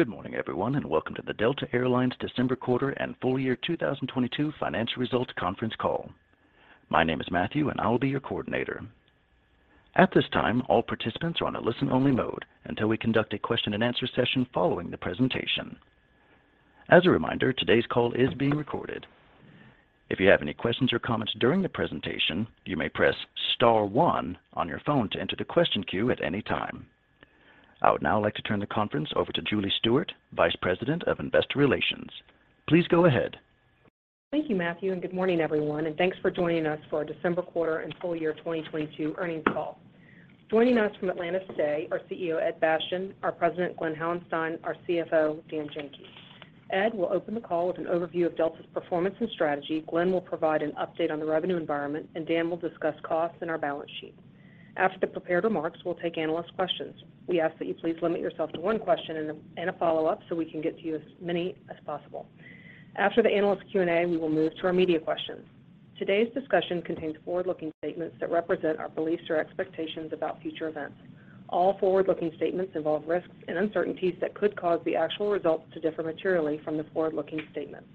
Good morning, everyone, and welcome to the Delta Air Lines December quarter and full year 2022 financial results conference call. My name is Matthew, and I will be your coordinator. At this time, all participants are on a listen-only mode until we conduct a question-and-answer session following the presentation. As a reminder, today's call is being recorded. If you have any questions or comments during the presentation, you may press star one on your phone to enter the question queue at any time. I would now like to turn the conference over to Julie Stewart, Vice President of Investor Relations. Please go ahead. Thank you, Matthew. Good morning, everyone, and thanks for joining us for our December quarter and full year 2022 earnings call. Joining us from Atlanta today are CEO Ed Bastian, our President Glen Hauenstein, our CFO Dan Janki. Ed will open the call with an overview of Delta's performance and strategy, Glen will provide an update on the revenue environment, Dan will discuss costs and our balance sheet. After the prepared remarks, we'll take analyst questions. We ask that you please limit yourself to one question and a follow-up so we can get to as many as possible. After the analyst Q&A, we will move to our media questions. Today's discussion contains forward-looking statements that represent our beliefs or expectations about future events. All forward-looking statements involve risks and uncertainties that could cause the actual results to differ materially from the forward-looking statements.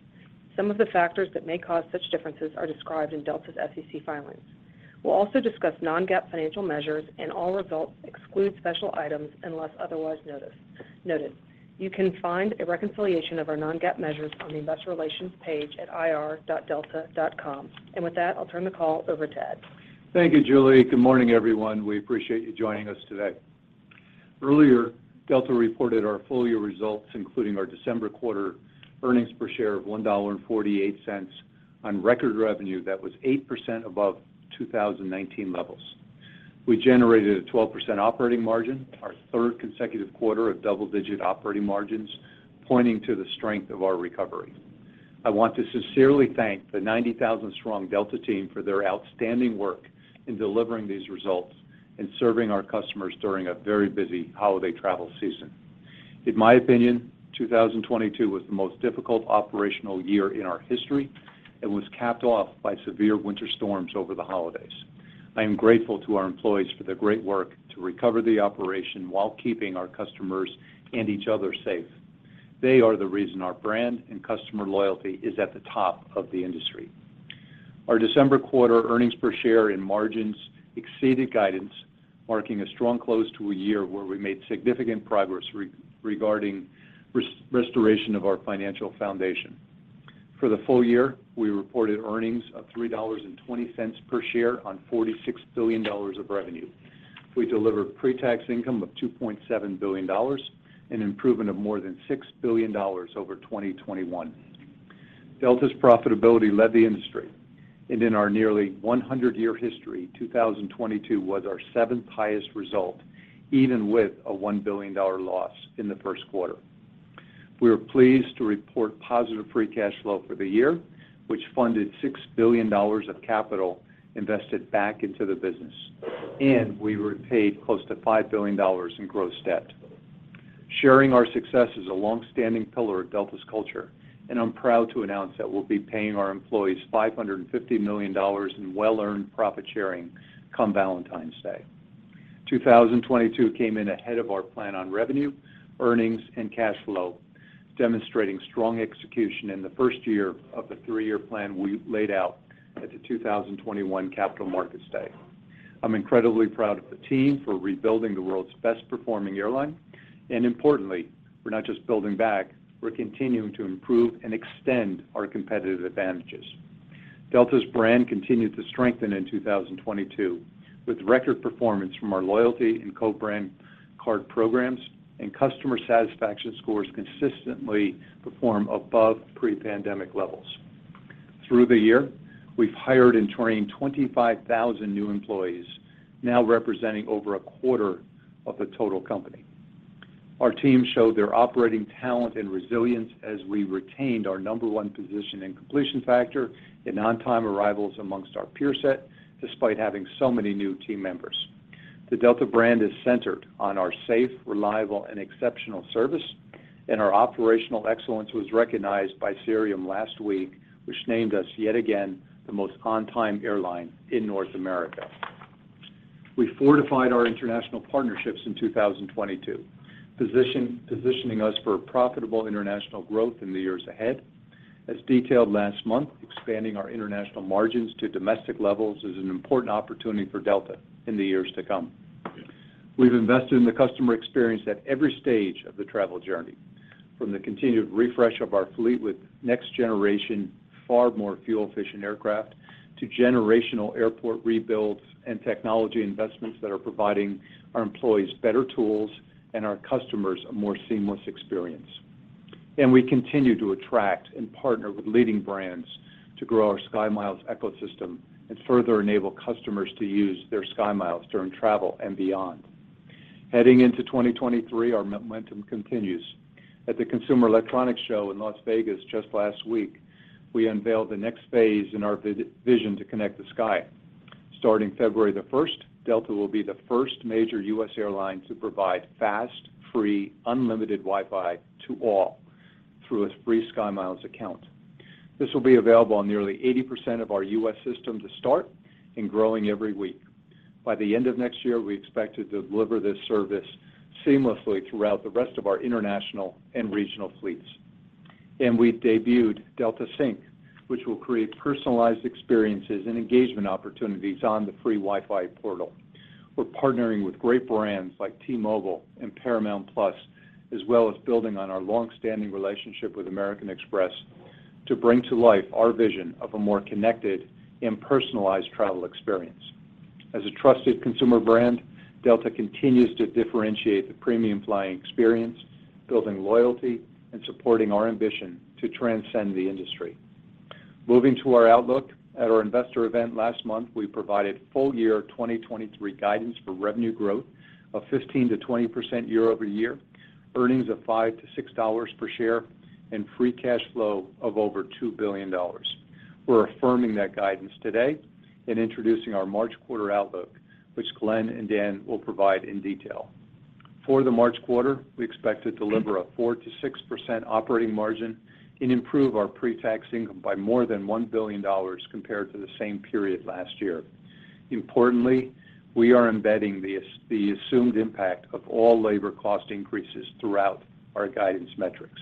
Some of the factors that may cause such differences are described in Delta's SEC filings. We'll also discuss non-GAAP financial measures, and all results exclude special items unless otherwise noted. You can find a reconciliation of our non-GAAP measures on the Investor Relations page at ir.delta.com. With that, I'll turn the call over to Ed. Thank you, Julie. Good morning, everyone. We appreciate you joining us today. Earlier, Delta reported our full-year results, including our December quarter earnings per share of $1.48 on record revenue that was 8% above 2019 levels. We generated a 12% operating margin, our third consecutive quarter of double-digit operating margins, pointing to the strength of our recovery. I want to sincerely thank the 90,000-strong Delta team for their outstanding work in delivering these results and serving our customers during a very busy holiday travel season. In my opinion, 2022 was the most difficult operational year in our history and was capped off by severe winter storms over the holidays. I am grateful to our employees for their great work to recover the operation while keeping our customers and each other safe. They are the reason our brand and customer loyalty is at the top of the industry. Our December quarter earnings per share and margins exceeded guidance, marking a strong close to a year where we made significant progress restoration of our financial foundation. For the full year, we reported earnings of $3.20 per share on $46 billion of revenue. We delivered pre-tax income of $2.7 billion, an improvement of more than $6 billion over 2021. Delta's profitability led the industry, and in our nearly 100-year history, 2022 was our seventh highest result, even with a $1 billion loss in the first quarter. We are pleased to report positive free cash flow for the year, which funded $6 billion of capital invested back into the business. We repaid close to $5 billion in gross debt. Sharing our success is a long-standing pillar of Delta's culture. I'm proud to announce that we'll be paying our employees $550 million in well-earned profit-sharing come Valentine's Day. 2022 came in ahead of our plan on revenue, earnings, and cash flow, demonstrating strong execution in the first year of the three-year plan we laid out at the 2021 Capital Markets Day. I'm incredibly proud of the team for rebuilding the world's best-performing airline. Importantly, we're not just building back, we're continuing to improve and extend our competitive advantages. Delta's brand continued to strengthen in 2022 with record performance from our loyalty and co-brand card programs and customer satisfaction scores consistently perform above pre-pandemic levels. Through the year, we've hired and trained 25,000 new employees, now representing over a quarter of the total company. Our team showed their operating talent and resilience as we retained our number 1 position in completion factor in on-time arrivals amongst our peer set despite having so many new team members. The Delta brand is centred on our safe, reliable, and exceptional service. Our operational excellence was recognized by Cirium last week, which named us yet again the most on-time airline in North America. We fortified our international partnerships in 2022, positioning us for profitable international growth in the years ahead. As detailed last month, expanding our international margins to domestic levels is an important opportunity for Delta in the years to come. We've invested in the customer experience at every stage of the travel journey, from the continued refresh of our fleet with next generation, far more fuel-efficient aircraft to generational airport rebuilds and technology investments that are providing our employees better tools and our customers a more seamless experience. We continue to attract and partner with leading brands to grow our SkyMiles ecosystem and further enable customers to use their SkyMiles during travel and beyond. Heading into 2023, our momentum continues. At the Consumer Electronics Show in Las Vegas just last week, we unveiled the next phase in our vision to connect the sky. Starting February 1st, Delta will be the first major U.S. airline to provide fast, free, unlimited Wi-Fi to all through a free SkyMiles account. This will be available on nearly 80% of our U.S. system to start and growing every week. By the end of next year, we expect to deliver this service seamlessly throughout the rest of our international and regional fleets. We debuted Delta Sync, which will create personalized experiences and engagement opportunities on the free Wi-Fi portal. We're partnering with great brands like T-Mobile and Paramount+, as well as building on our long-standing relationship with American Express to bring to life our vision of a more connected and personalized travel experience. As a trusted consumer brand, Delta continues to differentiate the premium flying experience, building loyalty, and supporting our ambition to transcend the industry. Moving to our outlook. At our investor event last month, we provided full year 2023 guidance for revenue growth of 15%-20% year-over-year, earnings of $5-$6 per share, and free cash flow of over $2 billion. We're affirming that guidance today and introducing our March quarter outlook, which Glen and Dan will provide in detail. For the March quarter, we expect to deliver a 4%-6% operating margin and improve our pre-tax income by more than $1 billion compared to the same period last year. Importantly, we are embedding the assumed impact of all labor cost increases throughout our guidance metrics.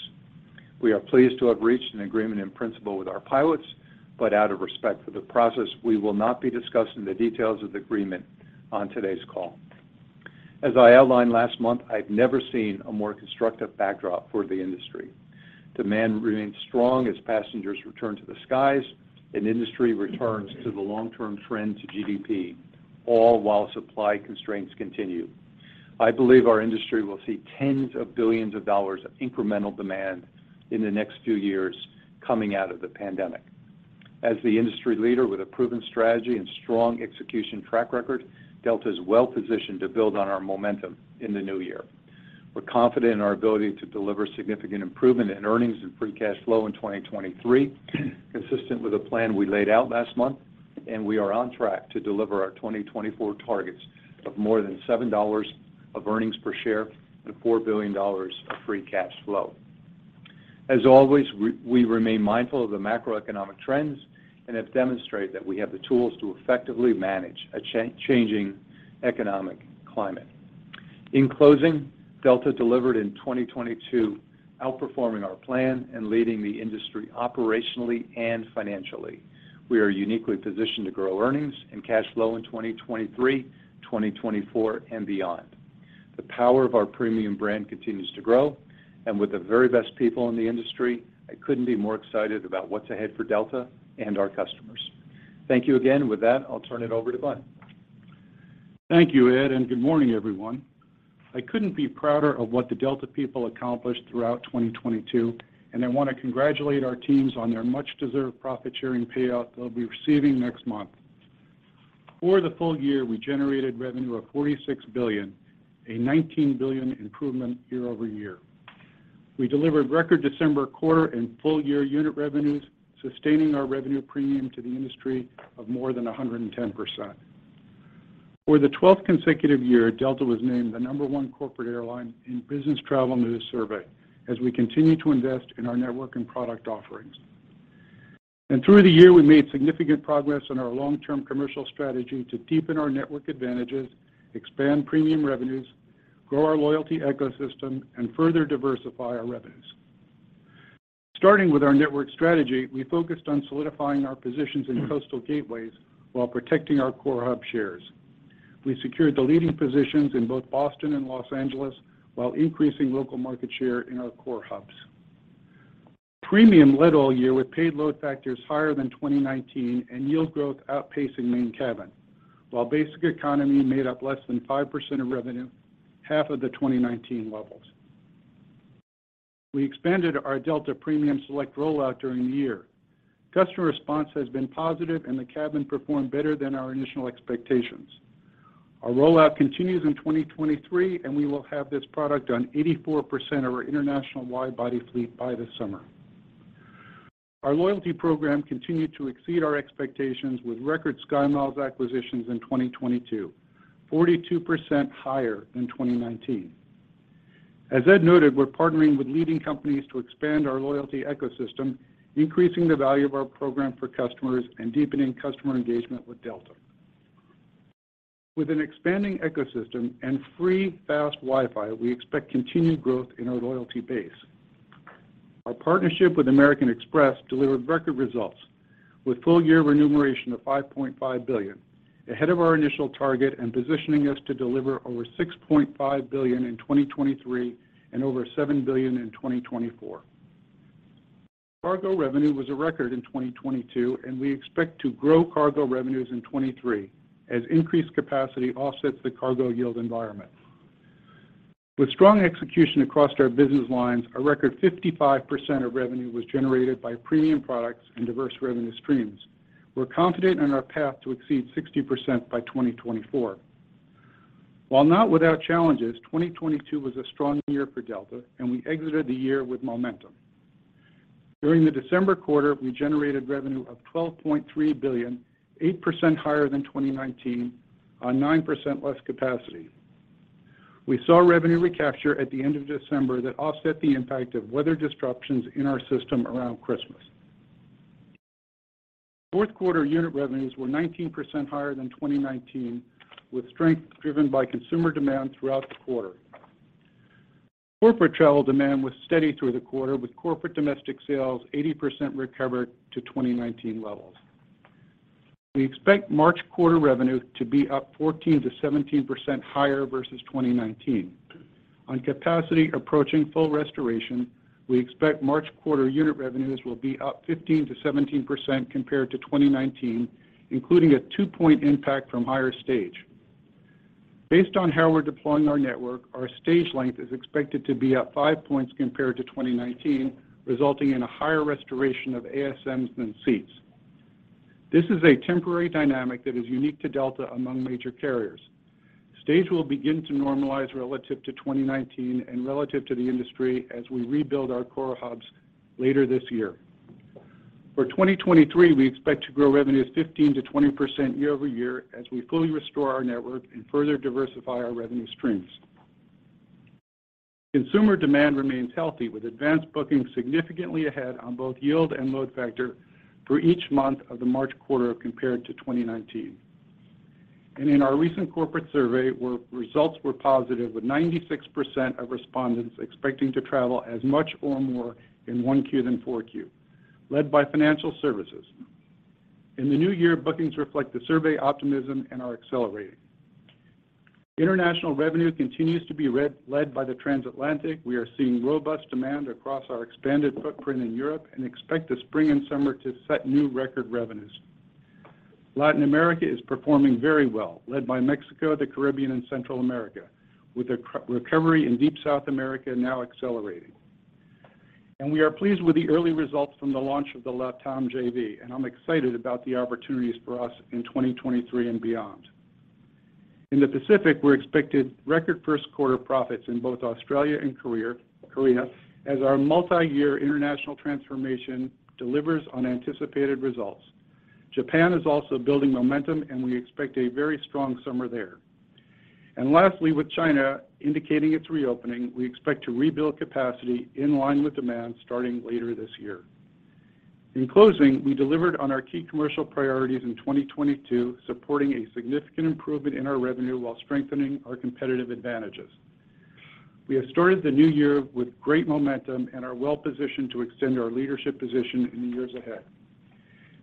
We are pleased to have reached an agreement in principle with our pilots, but out of respect for the process, we will not be discussing the details of the agreement on today's call. As I outlined last month, I've never seen a more constructive backdrop for the industry. Demand remains strong as passengers return to the skies and industry returns to the long-term trend to GDP, all while supply constraints continue. I believe our industry will see tens of billions of dollars of incremental demand in the next few years coming out of the pandemic. As the industry leader with a proven strategy and strong execution track record, Delta is well-positioned to build on our momentum in the new year. We're confident in our ability to deliver significant improvement in earnings and free cash flow in 2023, consistent with the plan we laid out last month. We are on track to deliver our 2024 targets of more than $7 of earnings per share and $4 billion of free cash flow. As always, we remain mindful of the macroeconomic trends and have demonstrated that we have the tools to effectively manage a changing economic climate. In closing, Delta delivered in 2022, outperforming our plan and leading the industry operationally and financially. We are uniquely positioned to grow earnings and cash flow in 2023, 2024, and beyond. The power of our premium brand continues to grow, and with the very best people in the industry, I couldn't be more excited about what's ahead for Delta and our customers. Thank you again. With that, I'll turn it over to Bud. Thank you, Ed. Good morning, everyone. I couldn't be prouder of what the Delta people accomplished throughout 2022, and I want to congratulate our teams on their much-deserved profit-sharing payout they'll be receiving next month. For the full year, we generated revenue of $46 billion, a $19 billion improvement year-over-year. We delivered record December quarter and full year unit revenues, sustaining our revenue premium to the industry of more than 110%. For the 12th consecutive year, Delta was named the number one corporate airline in Business Travel News survey as we continue to invest in our network and product offerings. Through the year, we made significant progress on our long-term commercial strategy to deepen our network advantages, expand premium revenues, grow our loyalty ecosystem, and further diversify our revenues. Starting with our network strategy, we focused on solidifying our positions in coastal gateways while protecting our core hub shares. We secured the leading positions in both Boston and Los Angeles while increasing local market share in our core hubs. Premium led all year with paid load factors higher than 2019 and yield growth outpacing main cabin. While basic economy made up less than 5% of revenue, half of the 2019 levels. We expanded our Delta Premium Select rollout during the year. Customer response has been positive and the cabin performed better than our initial expectations. Our rollout continues in 2023, and we will have this product on 84% of our international wide body fleet by the summer. Our loyalty program continued to exceed our expectations with record SkyMiles acquisitions in 2022, 42% higher than 2019. As Ed noted, we're partnering with leading companies to expand our loyalty ecosystem, increasing the value of our program for customers and deepening customer engagement with Delta. With an expanding ecosystem and free fast Wi-Fi, we expect continued growth in our loyalty base. Our partnership with American Express delivered record results with full year remuneration of $5.5 billion, ahead of our initial target and positioning us to deliver over $6.5 billion in 2023 and over $7 billion in 2024. Cargo revenue was a record in 2022. We expect to grow cargo revenues in 2023 as increased capacity offsets the cargo yield environment. With strong execution across our business lines, a record 55% of revenue was generated by premium products and diverse revenue streams. We're confident in our path to exceed 60% by 2024. While not without challenges, 2022 was a strong year for Delta, and we exited the year with momentum. During the December quarter, we generated revenue of $12.3 billion, 8% higher than 2019 on 9% less capacity. We saw revenue recapture at the end of December that offset the impact of weather disruptions in our system around Christmas. Fourth quarter unit revenues were 19% higher than 2019, with strength driven by consumer demand throughout the quarter. Corporate travel demand was steady through the quarter, with corporate domestic sales 80% recovered to 2019 levels. We expect March quarter revenue to be up 14%-17% higher versus 2019. On capacity approaching full restoration, we expect March quarter unit revenues will be up 15%-17% compared to 2019, including a two-point impact from higher stage. Based on how we're deploying our network, our stage length is expected to be up five points compared to 2019, resulting in a higher restoration of ASMs than seats. This is a temporary dynamic that is unique to Delta among major carriers. Stage will begin to normalize relative to 2019 and relative to the industry as we rebuild our core hubs later this year. For 2023, we expect to grow revenues 15%-20% year-over-year as we fully restore our network and further diversify our revenue streams. Consumer demand remains healthy, with advanced bookings significantly ahead on both yield and load factor through each month of the March quarter compared to 2019. In our recent corporate survey, where results were positive, with 96% of respondents expecting to travel as much or more in 1Q than 4Q, led by financial services. In the new year, bookings reflect the survey optimism and are accelerating. International revenue continues to be led by the Transatlantic. We are seeing robust demand across our expanded footprint in Europe and expect the spring and summer to set new record revenues. Latin America is performing very well, led by Mexico, the Caribbean, and Central America, with the recovery in Deep South America now accelerating. We are pleased with the early results from the launch of the LATAM JV, and I'm excited about the opportunities for us in 2023 and beyond. In the Pacific, we're expected record first-quarter profits in both Australia and Korea, as our multi-year international transformation delivers unanticipated results. Japan is also building momentum. We expect a very strong summer there. Lastly, with China indicating its reopening, we expect to rebuild capacity in line with demand starting later this year. In closing, we delivered on our key commercial priorities in 2022, supporting a significant improvement in our revenue while strengthening our competitive advantages. We have started the new year with great momentum and are well-positioned to extend our leadership position in the years ahead.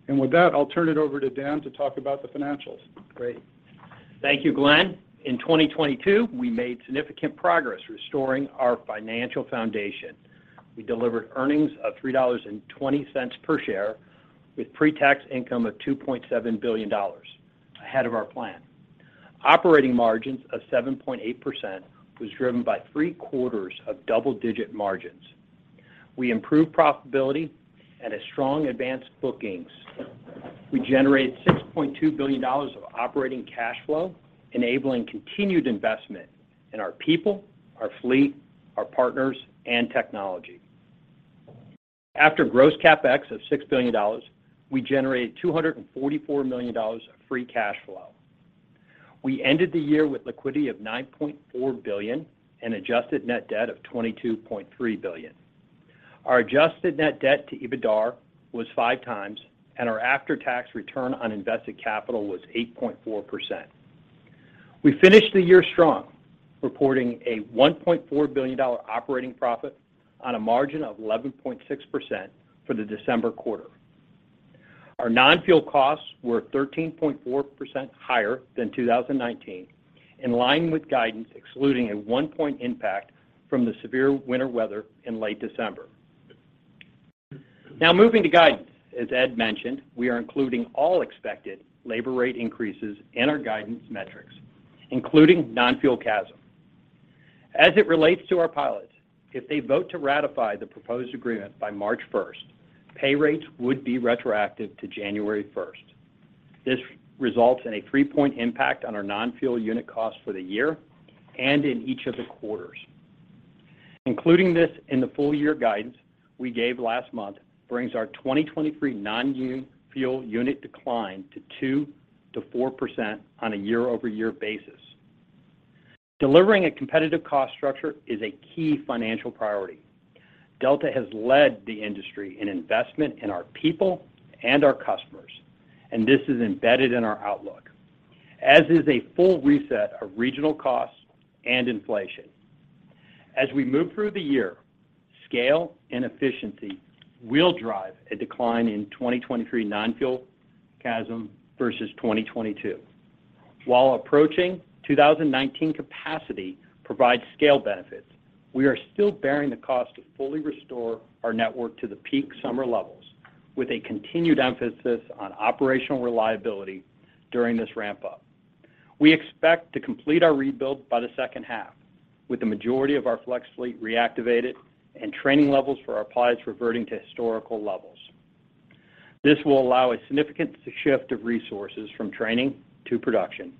With that, I'll turn it over to Dan to talk about the financials. Great. Thank you, Glen. In 2022, we made significant progress restoring our financial foundation. We delivered earnings of $3.20 per share with pre-tax income of $2.7 billion, ahead of our plan. Operating margins of 7.8% was driven by 3/4 of double-digit margins. We improved profitability and a strong advanced bookings. We generated $6.2 billion of operating cash flow, enabling continued investment in our people, our fleet, our partners, and technology. After gross CapEx of $6 billion, we generated $244 million of free cash flow. We ended the year with liquidity of $9.4 billion and adjusted net debt of $22.3 billion. Our adjusted net debt to EBITDAR was five times, and our after-tax return on invested capital was 8.4%. We finished the year strong, reporting a $1.4 billion operating profit on a margin of 11.6% for the December quarter. Our non-fuel costs were 13.4% higher than 2019, in line with guidance excluding a one-point impact from the severe winter weather in late December. Moving to guidance. As Ed mentioned, we are including all expected labor rate increases in our guidance metrics, including non-fuel CASM. As it relates to our pilots, if they vote to ratify the proposed agreement by March 1st, pay rates would be retroactive to January 1st. This results in a three-point impact on our non-fuel unit costs for the year and in each of the quarters. Including this in the full-year guidance we gave last month brings our 2023 non-fuel unit decline to 2%-4% on a year-over-year basis. Delivering a competitive cost structure is a key financial priority. Delta has led the industry in investment in our people and our customers, and this is embedded in our outlook, as is a full reset of regional costs and inflation. As we move through the year, scale and efficiency will drive a decline in 2023 non-fuel CASM versus 2022. While approaching 2019 capacity provides scale benefits, we are still bearing the cost to fully restore our network to the peak summer levels, with a continued emphasis on operational reliability during this ramp-up. We expect to complete our rebuild by the second half, with the majority of our flex fleet reactivated and training levels for our pilots reverting to historical levels. This will allow a significant shift of resources from training to production,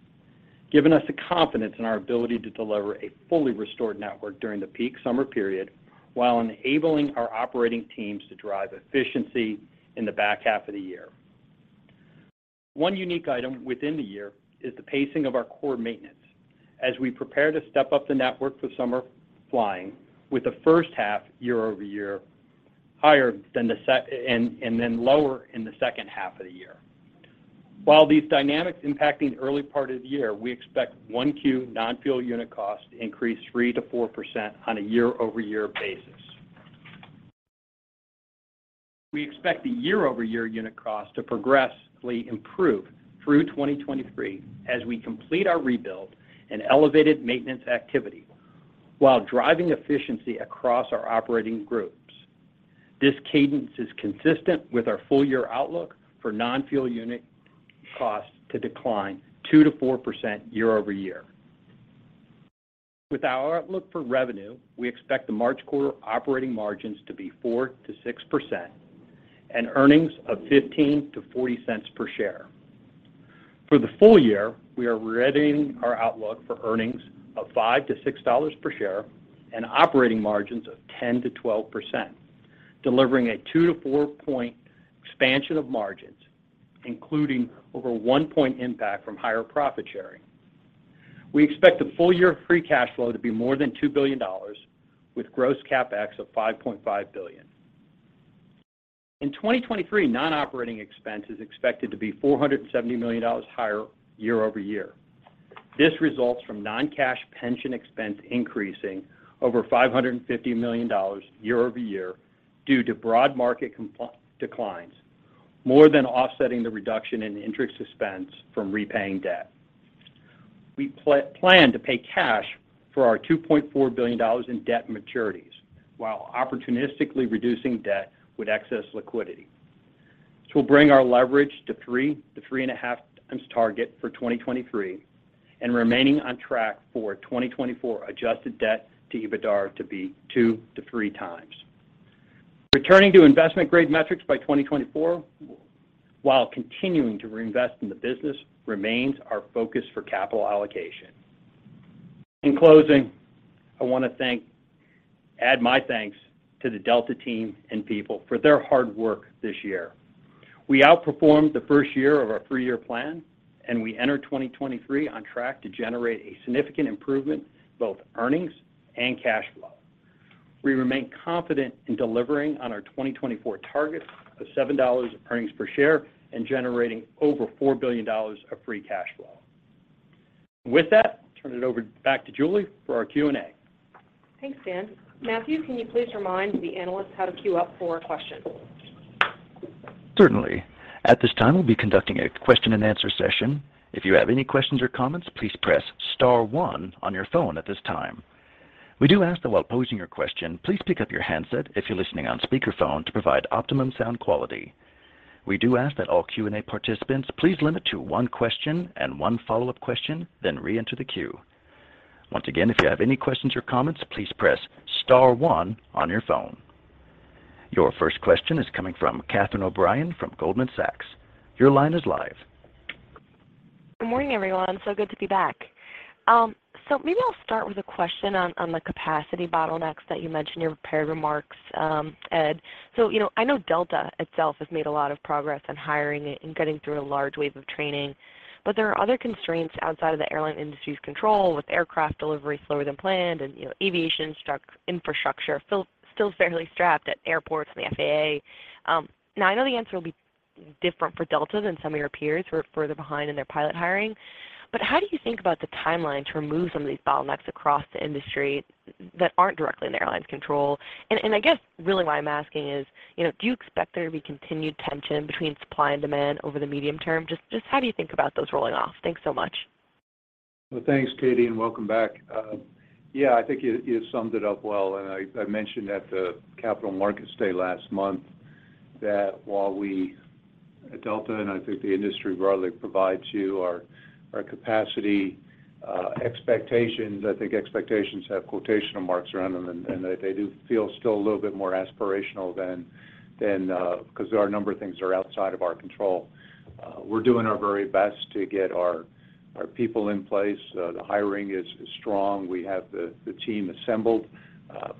giving us the confidence in our ability to deliver a fully restored network during the peak summer period while enabling our operating teams to drive efficiency in the back half of the year. One unique item within the year is the pacing of our core maintenance as we prepare to step up the network for summer flying with the first half year-over-year and then lower in the second half of the year. While these dynamics impacting early part of the year, we expect 1Q non-fuel unit cost to increase 3%-4% on a year-over-year basis. We expect the year-over-year unit cost to progressively improve through 2023 as we complete our rebuild and elevated maintenance activity while driving efficiency across our operating groups. This cadence is consistent with our full year outlook for non-fuel unit cost to decline 2%-4% year-over-year. With our outlook for revenue, we expect the March quarter operating margins to be 4%-6% and earnings of $0.15-$0.40 per share. For the full year, we are re-reading our outlook for earnings of $5-$6 per share and operating margins of 10%-12%, delivering a two to four point expansion of margins, including over 1 point impact from higher profit sharing. We expect the full year free cash flow to be more than $2 billion with gross CapEx of $5.5 billion. In 2023, non-operating expense is expected to be $470 million higher year-over-year. This results from non-cash pension expense increasing over $550 million year-over-year due to broad market declines, more than offsetting the reduction in interest expense from repaying debt. We plan to pay cash for our $2.4 billion in debt maturities while opportunistically reducing debt with excess liquidity. This will bring our leverage to 3 to 3.5 times target for 2023 and remaining on track for 2024 adjusted debt to EBITDAR to be two to three times. Returning to investment grade metrics by 2024, while continuing to reinvest in the business remains our focus for capital allocation. In closing, I want to add my thanks to the Delta team and people for their hard work this year. We outperformed the first year of our three-year plan. We enter 2023 on track to generate a significant improvement, both earnings and cash flow. We remain confident in delivering on our 2024 target of $7 of earnings per share and generating over $4 billion of free cash flow. With that, I'll turn it over back to Julie for our Q&A. Thanks, Dan. Matthew, can you please remind the analysts how to queue up for a question? Certainly. At this time, we'll be conducting a question-and-answer session. If you have any questions or comments, please press star one on your phone at this time. We do ask that while posing your question, please pick up your handset if you're listening on speaker phone to provide optimum sound quality. We do ask that all Q&A participants please limit to one question and one follow-up question, then reenter the queue. Once again, if you have any questions or comments, please press star one on your phone. Your first question is coming from Catherine O'Brien from Goldman Sachs. Your line is live. Good morning, everyone. Good to be back. Maybe I'll start with a question on the capacity bottlenecks that you mentioned in your prepared remarks, Ed. You know, I know Delta itself has made a lot of progress in hiring and getting through a large wave of training. There are other constraints outside of the airline industry's control with aircraft delivery slower than planned and, you know, aviation infrastructure still fairly strapped at airports and the FAA. Now, I know the answer will be different for Delta than some of your peers who are further behind in their pilot hiring. How do you think about the timeline to remove some of these bottlenecks across the industry that aren't directly in the airline's control? I guess really why I'm asking is, you know, do you expect there to be continued tension between supply and demand over the medium term? Just how do you think about those rolling off? Thanks so much. Thanks, Katie, and welcome back. Yeah, I think you summed it up well. I mentioned at the Capital Markets Day last month that while we at Delta, and I think the industry broadly provides you our capacity expectations, I think expectations have quotation marks around them, and they do feel still a little bit more aspirational than because there are a number of things that are outside of our control. We're doing our very best to get our people in place. The hiring is strong. We have the team assembled.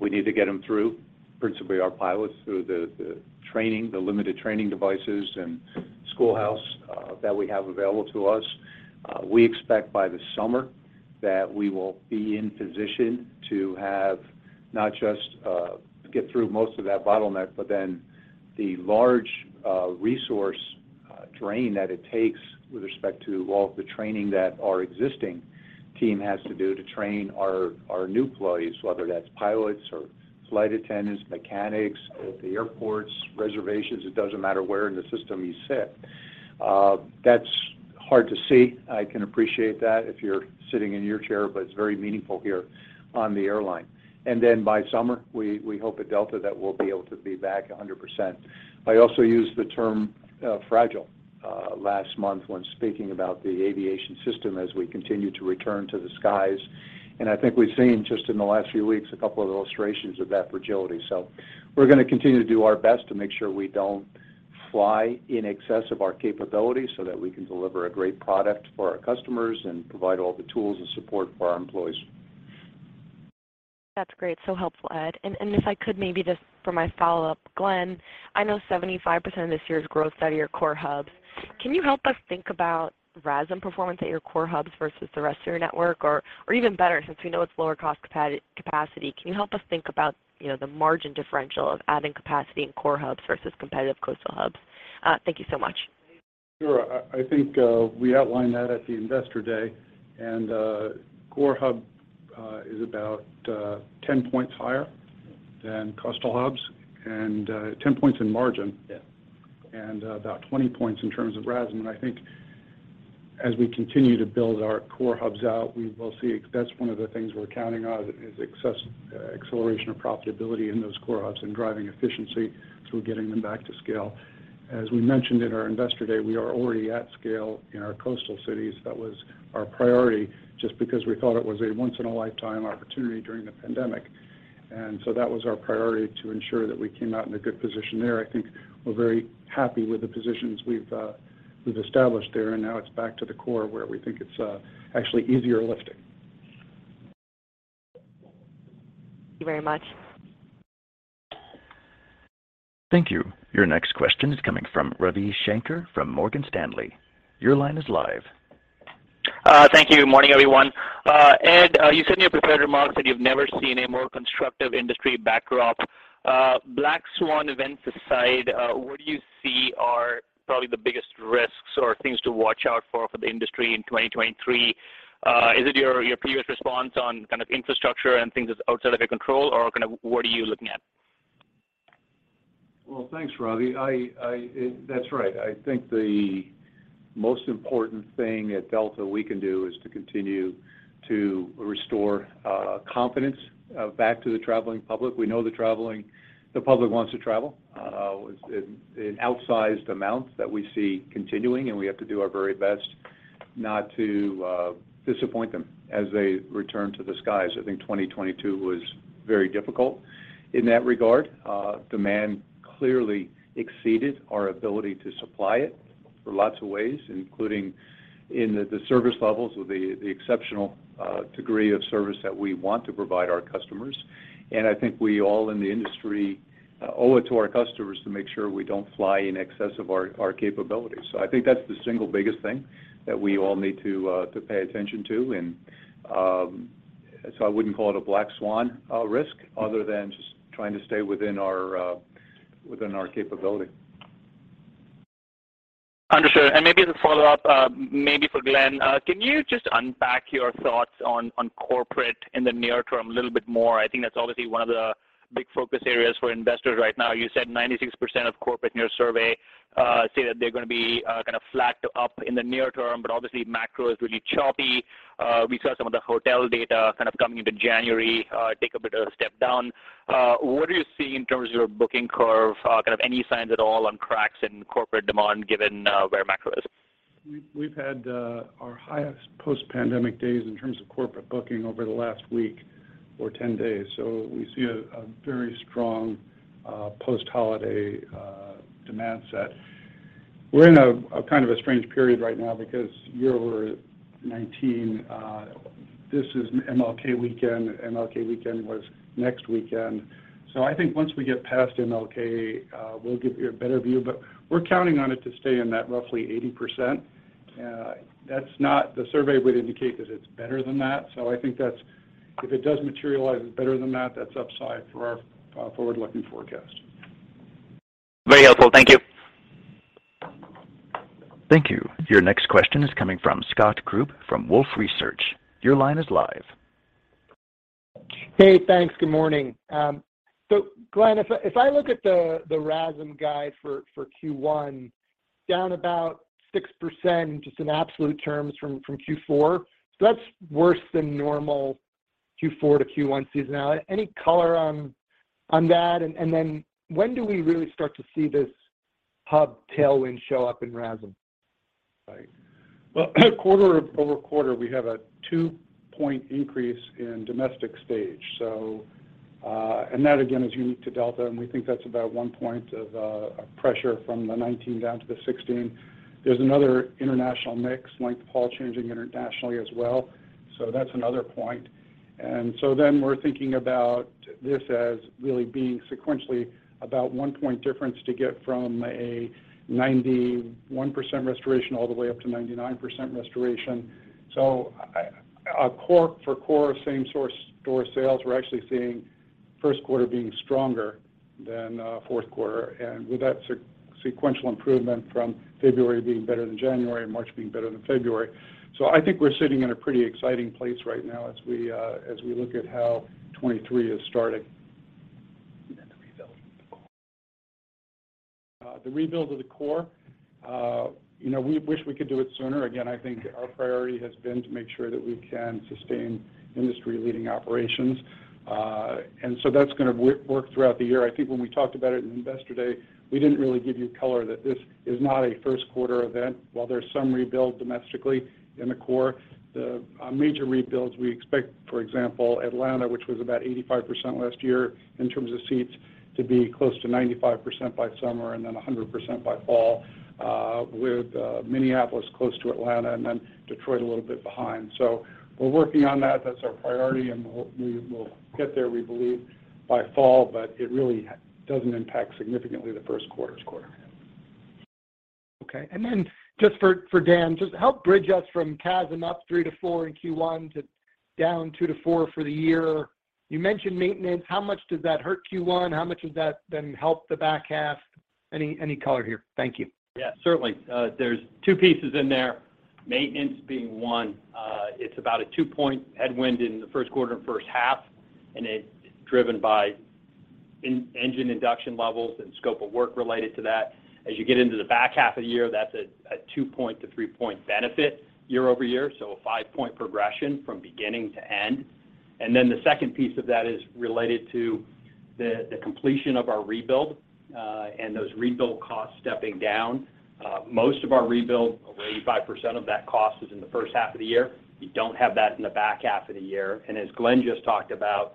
We need to get them through, principally our pilots, through the training, the limited training devices and schoolhouse that we have available to us. We expect by the summer that we will be in position to have not just get through most of that bottleneck, but then the large resource drain that it takes with respect to all of the training that our existing team has to do to train our new employees, whether that's pilots or flight attendants, mechanics at the airports, reservations, it doesn't matter where in the system you sit. That's hard to see. I can appreciate that if you're sitting in your chair, but it's very meaningful here on the airline. By summer, we hope at Delta that we'll be able to be back 100%. I also used the term fragile last month when speaking about the aviation system as we continue to return to the skies. I think we've seen just in the last few weeks, a couple of illustrations of that fragility. We're gonna continue to do our best to make sure we don't fly in excess of our capabilities so that we can deliver a great product for our customers and provide all the tools and support for our employees. That's great. So helpful, Ed. If I could maybe just for my follow-up, Glen, I know 75% of this year's growth out of your core hubs. Can you help us think about RASM performance at your core hubs versus the rest of your network? Even better, since we know it's lower cost capacity, can you help us think about, you know, the margin differential of adding capacity in core hubs versus competitive coastal hubs? Thank you so much. Sure. I think we outlined that at the Investor Day and core hub is about 10 points higher than coastal hubs and 10 points in margin. Yes. About 20 points in terms of RASM. I think as we continue to build our core hubs out, we will see. That's one of the things we're counting on is access, acceleration of profitability in those core hubs and driving efficiency through getting them back to scale. As we mentioned in our Investor Day, we are already at scale in our coastal cities. That was our priority just because we thought it was a once in a lifetime opportunity during the pandemic. So that was our priority, to ensure that we came out in a good position there. I think we're very happy with the positions we've established there, and now it's back to the core where we think it's actually easier lifting. Thank you very much. Thank you. Your next question is coming from Ravi Shanker from Morgan Stanley. Your line is live. Thank you. Morning, everyone. Ed, you said in your prepared remarks that you've never seen a more constructive industry backdrop. Black swan events aside, what do you see are probably the biggest risks or things to watch out for the industry in 2023? Is it your previous response on infrastructure and things that's outside of your control or what are you looking at? Well, thanks, Ravi. That's right. I think the most important thing at Delta we can do is to continue to restore confidence back to the traveling public. We know the public wants to travel in outsized amounts that we see continuing, and we have to do our very best not to disappoint them as they return to the skies. I think 2022 was very difficult in that regard. Demand clearly exceeded our ability to supply it for lots of ways, including in the service levels with the exceptional degree of service that we want to provide our customers. I think we all in the industry owe it to our customers to make sure we don't fly in excess of our capabilities. I think that's the single biggest thing that we all need to pay attention to. I wouldn't call it a black swan risk other than just trying to stay within our within our capability. Understood. Maybe as a follow-up, maybe for Glenn. Can you just unpack your thoughts on corporate in the near term a little bit more? I think that's obviously one of the big focus areas for investors right now. You said 96% of corporate in your survey say that they're gonna be kind of flat to up in the near term, but obviously macro is really choppy. We saw some of the hotel data kind of coming into January take a bit of a step down. What are you seeing in terms of your booking curve? Kind of any signs at all on cracks in corporate demand given where macro is? We've had our highest post-pandemic days in terms of corporate booking over the last week or 10 days. We see a very strong post-holiday demand set. We're in a kind of a strange period right now because year-over 19, this is MLK weekend. MLK weekend was next weekend. I think once we get past MLK, we'll give you a better view. We're counting on it to stay in that roughly 80%. The survey would indicate that it's better than that. I think if it does materialize as better than that's upside for our forward-looking forecast. Very helpful. Thank you. Thank you. Your next question is coming from Scott Group from Wolfe Research. Your line is live. Hey, thanks. Good morning. Glen, if I look at the RASM guide for Q1, down about 6% just in absolute terms from Q4. That's worse than normal Q4 to Q1 seasonality. Any color on that? Then when do we really start to see this hub tailwind show up in RASM? Right. Well, quarter-over-quarter we have a two-point increase in domestic stage. That again is unique to Delta, and we think that's about one point of pressure from the 19 down to the 16. There's another international mix, length of haul changing internationally as well. That's another point. We're thinking about this as really being sequentially about one point difference to get from a 91% restoration all the way up to 99% restoration. For core same source store sales, we're actually seeing first quarter being stronger than fourth quarter and with that sequential improvement from February being better than January and March being better than February. I think we're sitting in a pretty exciting place right now as we look at how 2023 is starting. The rebuild of the core. The rebuild of the core, you know, we wish we could do it sooner. Again, I think our priority has been to make sure that we can sustain industry-leading operations. And so that's gonna work throughout the year. I think when we talked about it in Investor Day, we didn't really give you color that this is not a first quarter event. While there's some rebuild domestically in the core, the major rebuilds we expect, for example, Atlanta, which was about 85% last year in terms of seats, to be close to 95% by summer and then 100% by fall, with Minneapolis close to Atlanta and then Detroit a little bit behind. We're working on that. That's our priority, and we'll, we will get there, we believe, by fall, but it really doesn't impact significantly the first quarter's quarter. Okay. Just for Dan, just help bridge us from CASM up 3%-4% in Q1 to down 2%-4% for the year. You mentioned maintenance. How much does that hurt Q1? How much does that then help the back half? Any color here? Thank you. Yeah, certainly. There's two pieces in there, maintenance being one. It's about a two-point headwind in the first quarter and first half, and it's driven by engine induction levels and scope of work related to that. As you get into the back half of the year, that's a two-point to three-point benefit year-over-year, so a five-point progression from beginning to end. The second piece of that is related to the completion of our rebuild, and those rebuild costs stepping down. Most of our rebuild, over 85% of that cost is in the first half of the year. You don't have that in the back half of the year. As Glen just talked about,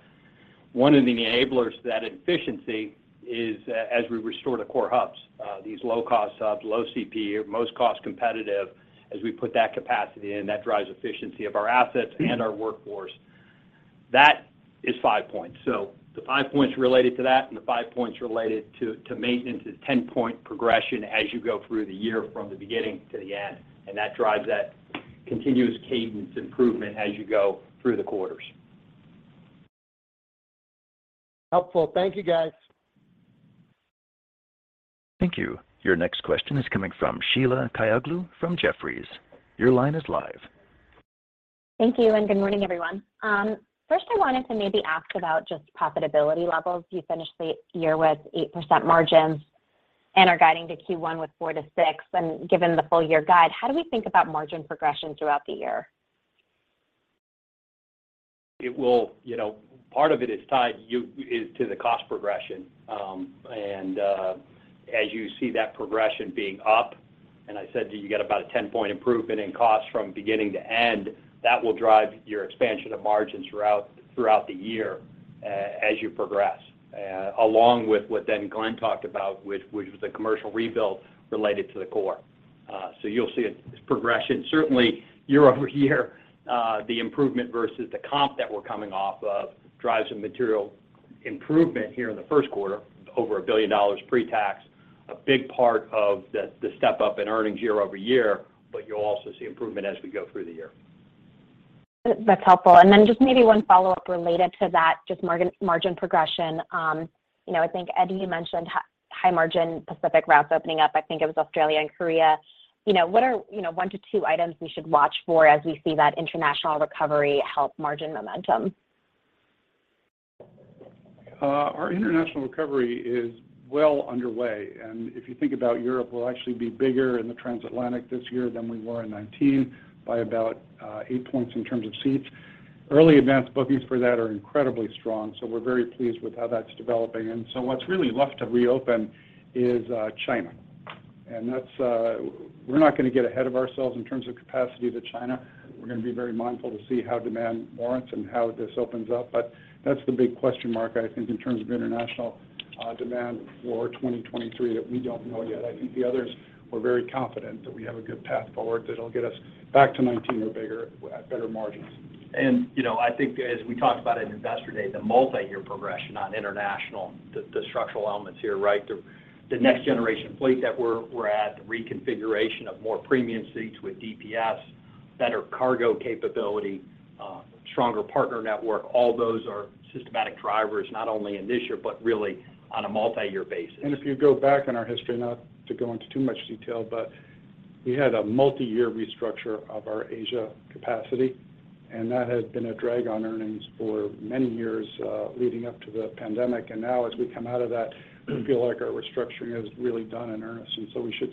one of the enablers to that efficiency is as we restore the core hubs. These low-cost hubs, low CP, most cost competitive as we put that capacity in, that drives efficiency of our assets and our workforce. That is five points. The five points related to that and the five points related to maintenance is 10-point progression as you go through the year from the beginning to the end. That drives that continuous cadence improvement as you go through the quarters. Helpful. Thank you, guys. Thank you. Your next question is coming from Sheila Kahyaoglu from Jefferies. Your line is live. Thank you, and good morning, everyone. First I wanted to maybe ask about just profitability levels. You finished the year with 8% margins and are guiding to Q1 with 4%-6%. Given the full year guide, how do we think about margin progression throughout the year? You know, part of it is tied to the cost progression. As you see that progression being up, and I said to you get about a 10-point improvement in cost from beginning to end, that will drive your expansion of margins throughout the year, as you progress. Along with what then Glen talked about, which was the commercial rebuild related to the core. You'll see its progression. Certainly year-over-year, the improvement versus the comp that we're coming off of drives some material improvement here in the first quarter, over $1 billion pre-tax. A big part of the step up in earnings year-over-year, you'll also see improvement as we go through the year. That's helpful. Just maybe one follow-up related to that, just margin progression. You know, I think, Eddie, you mentioned high margin Pacific routes opening up. I think it was Australia and Korea. You know, what are, you know, one to two items we should watch for as we see that international recovery help margin momentum? Our international recovery is well underway, and if you think about Europe, we'll actually be bigger in the transatlantic this year than we were in 2019 by about 8 points in terms of seats. Early advance bookings for that are incredibly strong, so we're very pleased with how that's developing. What's really left to reopen is China. That's, we're not gonna get ahead of ourselves in terms of capacity to China. We're gonna be very mindful to see how demand warrants and how this opens up. That's the big question mark, I think, in terms of international demand for 2023 that we don't know yet. I think the others, we're very confident that we have a good path forward that'll get us back to 2019 or bigger at better margins. You know, I think as we talked about at Investor Day, the multi-year progression on international, the structural elements here, right? The, the next generation fleet that we're at, the reconfiguration of more premium seats with DPS, better cargo capability, stronger partner network, all those are systematic drivers, not only in this year, but really on a multi-year basis. If you go back in our history, not to go into too much detail, but we had a multi-year restructure of our Asia capacity, and that has been a drag on earnings for many years, leading up to the pandemic. Now as we come out of that, we feel like our restructuring is really done in earnest, so we should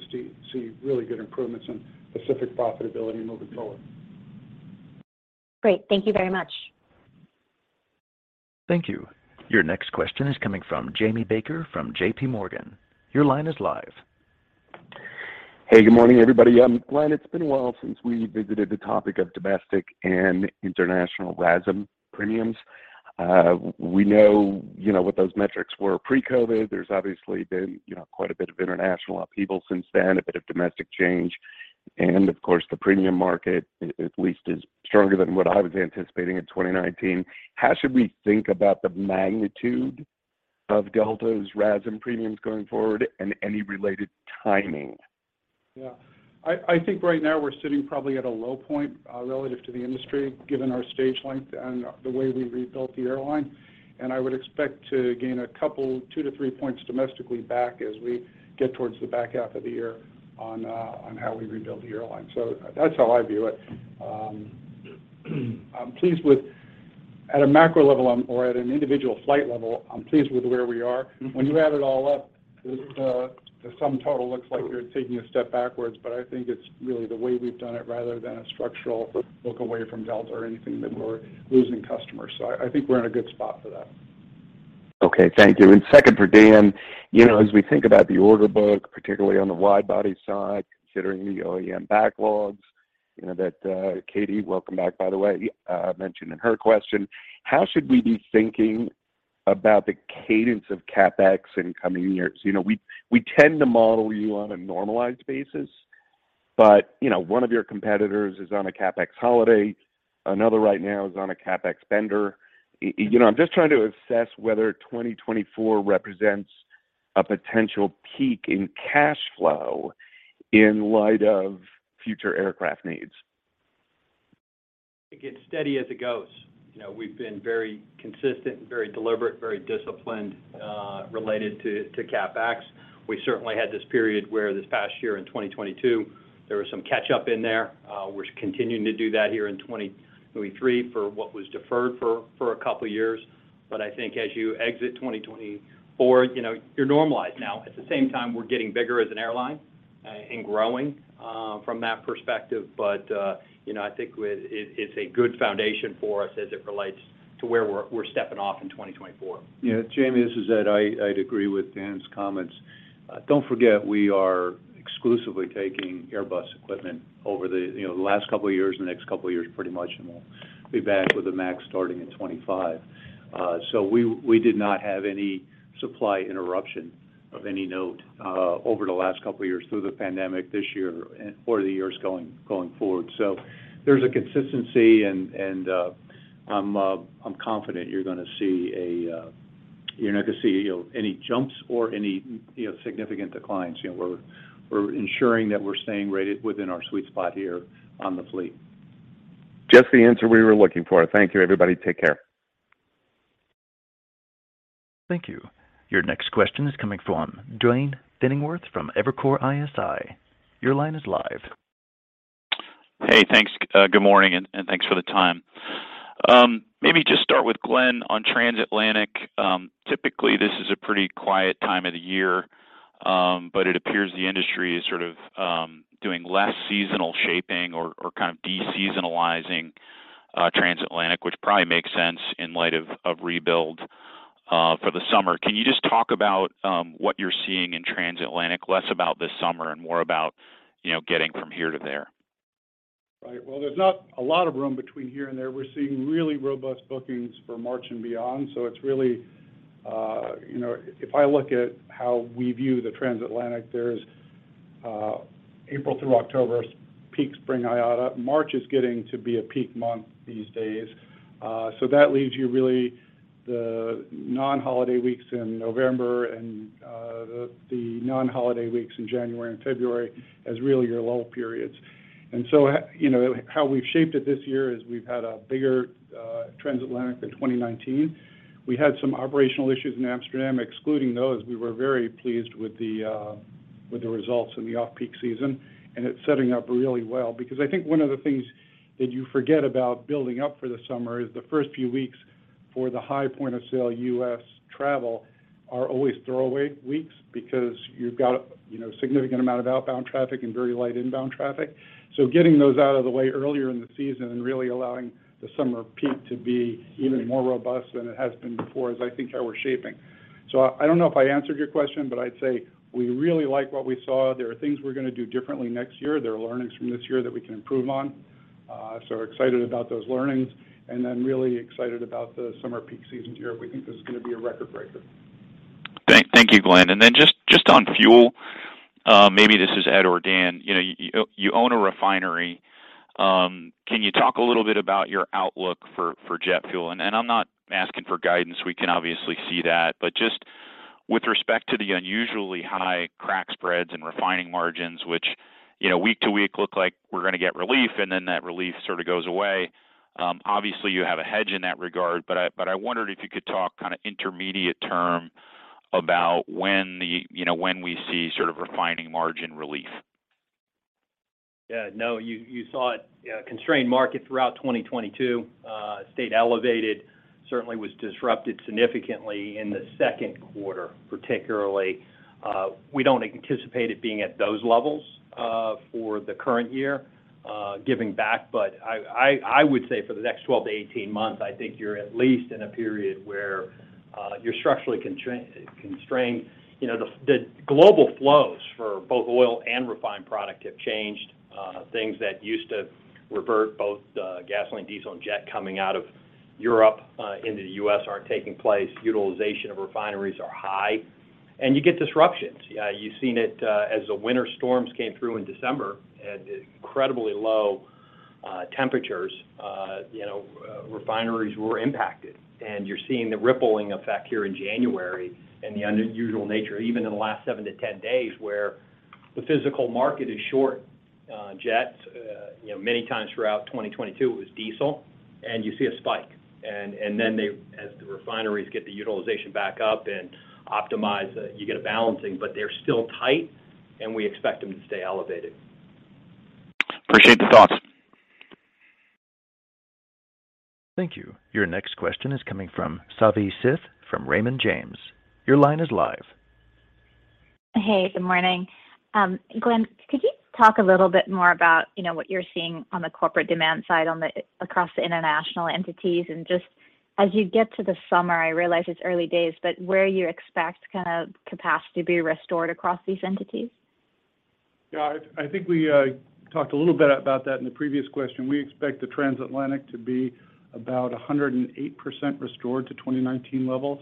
see really good improvements in Pacific profitability moving forward. Great. Thank you very much. Thank you. Your next question is coming from Jamie Baker from JPMorgan. Your line is live. Hey, good morning, everybody. Glen, it's been a while since we visited the topic of domestic and international RASM premiums. We know, you know, what those metrics were pre-COVID. There's obviously been, you know, quite a bit of international upheaval since then, a bit of domestic change. Of course, the premium market at least is stronger than what I was anticipating in 2019. How should we think about the magnitude of Delta's RASM premiums going forward and any related timing? I think right now we're sitting probably at a low point relative to the industry, given our stage length and the way we rebuilt the airline. I would expect to gain a couple, two to three points domestically back as we get towards the back half of the year on how we rebuild the airline. That's how I view it. I'm pleased with at a macro level, or at an individual flight level, I'm pleased with where we are. When you add it all up, the sum total looks like you're taking a step backwards, but I think it's really the way we've done it rather than a structural look away from Delta or anything that we're losing customers. I think we're in a good spot for that. Okay. Thank you. Second for Dan. You know, as we think about the order book, particularly on the wide body side, considering the OEM backlogs, you know, that, Katie, welcome back by the way, mentioned in her question. How should we be thinking about the cadence of CapEx in coming years? You know, we tend to model you on a normalized basis. But, you know, one of your competitors is on a CapEx holiday, another right now is on a CapEx bender. you know, I'm just trying to assess whether 2024 represents a potential peak in cash flow in light of future aircraft needs. I think it's steady as it goes. You know, we've been very consistent and very deliberate, very disciplined, related to CapEx. We certainly had this period where this past year in 2022. There was some catch up in there. We're continuing to do that here in 2023 for what was deferred for a couple of years. I think as you exit 2024, you know, you're normalized now. At the same time, we're getting bigger as an airline, and growing, from that perspective. You know, I think it's a good foundation for us as it relates to where we're stepping off in 2024. Yeah. Jamie, this is Ed. I'd agree with Dan's comments. Don't forget, we are exclusively taking Airbus equipment over the, you know, the last couple of years, the next couple of years, pretty much, and we'll be back with the MAX starting in 2025. We did not have any supply interruption of any note over the last couple of years through the pandemic this year or the years going forward. There's a consistency and I'm confident you're gonna see a, you're not gonna see, you know, any jumps or any, you know, significant declines. You know, we're ensuring that we're staying right within our sweet spot here on the fleet. Just the answer we were looking for. Thank you, everybody. Take care. Thank you. Your next question is coming from Duane Pfennigwerth from Evercore ISI. Your line is live. Hey, thanks. Good morning, and thanks for the time. Maybe just start with Glen on Transatlantic. Typically, this is a pretty quiet time of the year, but it appears the industry is sort of doing less seasonal shaping or kind of de-seasonalizing Transatlantic, which probably makes sense in light of rebuild for the summer. Can you just talk about what you're seeing in Transatlantic, less about this summer and more about, you know, getting from here to there? Right. Well, there's not a lot of room between here and there. We're seeing really robust bookings for March and beyond. It's really, you know, if I look at how we view the Transatlantic, there's April through October is peak spring IATA. March is getting to be a peak month these days. That leaves you really the non-holiday weeks in November and the non-holiday weeks in January and February as really your lull periods. You know, how we've shaped it this year is we've had a bigger Transatlantic than 2019. We had some operational issues in Amsterdam. Excluding those, we were very pleased with the results in the off-peak season, and it's setting up really well. Because I think one of the things that you forget about building up for the summer is the first few weeks for the high point-of-sale U.S. travel are always throwaway weeks because you've got, you know, a significant amount of outbound traffic and very light inbound traffic. Getting those out of the way earlier in the season and really allowing the summer peak to be even more robust than it has been before is, I think, how we're shaping. I don't know if I answered your question, but I'd say we really like what we saw. There are things we're gonna do differently next year. There are learnings from this year that we can improve on. We're excited about those learnings and then really excited about the summer peak season here. We think this is gonna be a record-breaker. Thank you, Glen. Then just on fuel, maybe this is Ed or Dan. You know, you own a refinery. Can you talk a little bit about your outlook for jet fuel? I'm not asking for guidance, we can obviously see that. Just with respect to the unusually high crack spreads and refining margins, which, you know, week to week look like we're gonna get relief and then that relief sort of goes away. Obviously, you have a hedge in that regard, but I wondered if you could talk kinda intermediate term about when the you know, when we see sort of refining margin relief. Yeah, no. You saw it, yeah, constrained market throughout 2022 stayed elevated. Certainly was disrupted significantly in the second quarter, particularly. We don't anticipate it being at those levels for the current year, giving back. I would say for the next 12 to 18 months, I think you're at least in a period where you're structurally constrained. You know, the global flows for both oil and refined product have changed. Things that used to revert both gasoline, diesel, and jet coming out of Europe into the U.S. aren't taking place. Utilization of refineries are high, and you get disruptions. You've seen it as the winter storms came through in December at incredibly low temperatures. You know, refineries were impacted. You're seeing the rippling effect here in January and the unusual nature even in the last seven to 10 days where the physical market is short on jets. You know, many times throughout 2022 it was diesel, and you see a spike. They as the refineries get the utilization back up and optimize, you get a balancing. They're still tight, and we expect them to stay elevated. Appreciate the thoughts. Thank you. Your next question is coming from Savi Syth from Raymond James. Your line is live. Hey, good morning. Glen, could you talk a little bit more about, you know, what you're seeing on the corporate demand side across the international entities? Just as you get to the summer, I realize it's early days, but where you expect kind of capacity to be restored across these entities? Yeah. I think we talked a little bit about that in the previous question. We expect the Transatlantic to be about 108% restored to 2019 levels.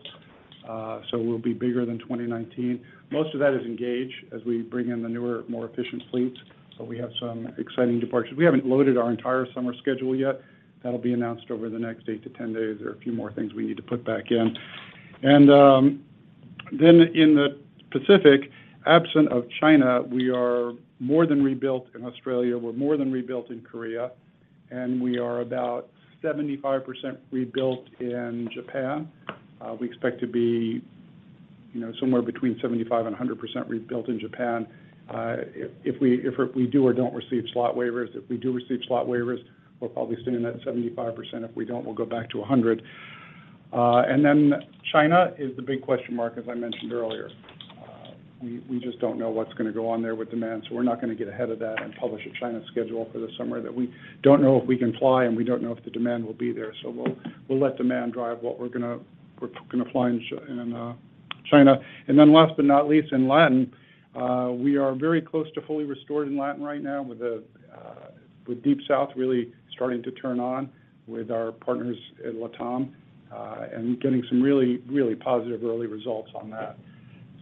We'll be bigger than 2019. Most of that is engaged as we bring in the newer, more efficient fleets, but we have some exciting departures. We haven't loaded our entire summer schedule yet. That'll be announced over the next eight to 10 days. There are a few more things we need to put back in. In the Pacific, absent of China, we are more than rebuilt in Australia, we're more than rebuilt in Korea, and we are about 75% rebuilt in Japan. We expect to be, you know, somewhere between 75%-100% rebuilt in Japan. If we do or don't receive slot waivers. If we do receive slot waivers, we're probably sitting at 75%. If we don't, we'll go back to 100%. Then China is the big question mark, as I mentioned earlier. We just don't know what's gonna go on there with demand, we're not gonna get ahead of that and publish a China schedule for the summer that we don't know if we can fly and we don't know if the demand will be there. We'll let demand drive what we're gonna fly in China. Then last but not least, in Latin, we are very close to fully restored in Latin right now with the with Deep South really starting to turn on with our partners at LATAM, and getting some really, really positive early results on that.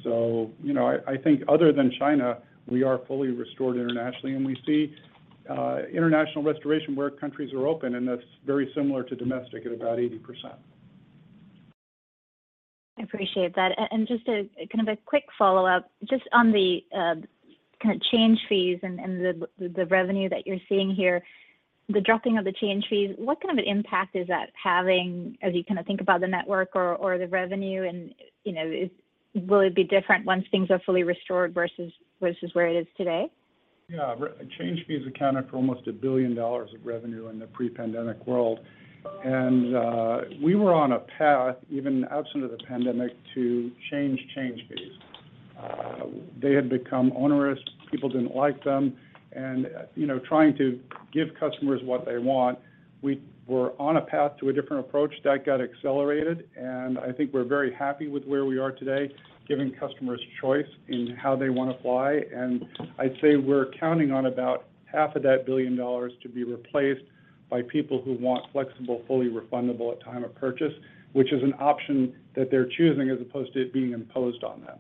You know, I think other than China, we are fully restored internationally, and we see international restoration where countries are open, and that's very similar to domestic at about 80%. I appreciate that. Just a, kind of a quick follow-up, just on the kind of change fees and the revenue that you're seeing here. The dropping of the change fees, what kind of an impact is that having as you kind of think about the network or the revenue and, you know, will it be different once things are fully restored versus where it is today? Yeah. Re-change fees accounted for almost $1 billion of revenue in the pre-pandemic world. We were on a path, even absent of the pandemic, to change change fees. They had become onerous, people didn't like them, and, you know, trying to give customers what they want, we were on a path to a different approach. That got accelerated. I think we're very happy with where we are today, giving customers choice in how they wanna fly. I'd say we're counting on about half of that $1 billion to be replaced by people who want flexible, fully refundable at time of purchase, which is an option that they're choosing as opposed to it being imposed on them.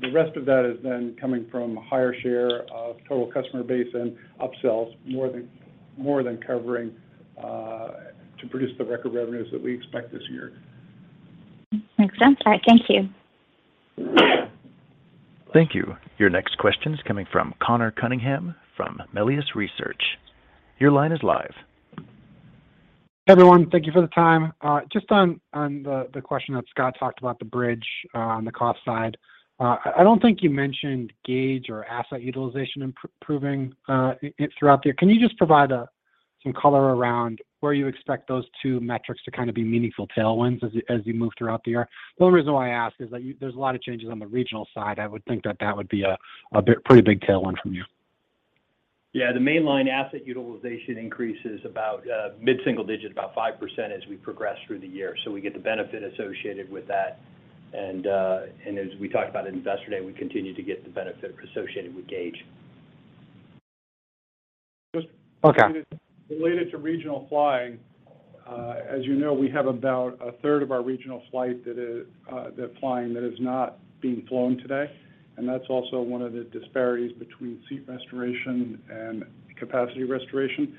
The rest of that is then coming from a higher share of total customer base and upsells more than covering to produce the record revenues that we expect this year. Makes sense. All right, thank you. Thank you. Your next question is coming from Conor Cunningham from Melius Research. Your line is live. Everyone, thank you for the time. Just on the question that Scott talked about the bridge on the cost side. I don't think you mentioned gauge or asset utilization improving throughout there. Can you just provide some color around where you expect those two metrics to kind of be meaningful tailwinds as you, as you move throughout the year? The only reason why I ask is that you there's a lot of changes on the regional side. I would think that that would be a pretty big tailwind from you. Yeah. The main line asset utilization increase is about mid-single digit, about 5% as we progress through the year. We get the benefit associated with that. As we talked about at Investor Day, we continue to get the benefit associated with gauge. Okay. Related to regional flying, as you know, we have about a third of our regional flying that is not being flown today. That's also one of the disparities between seat restoration and capacity restoration.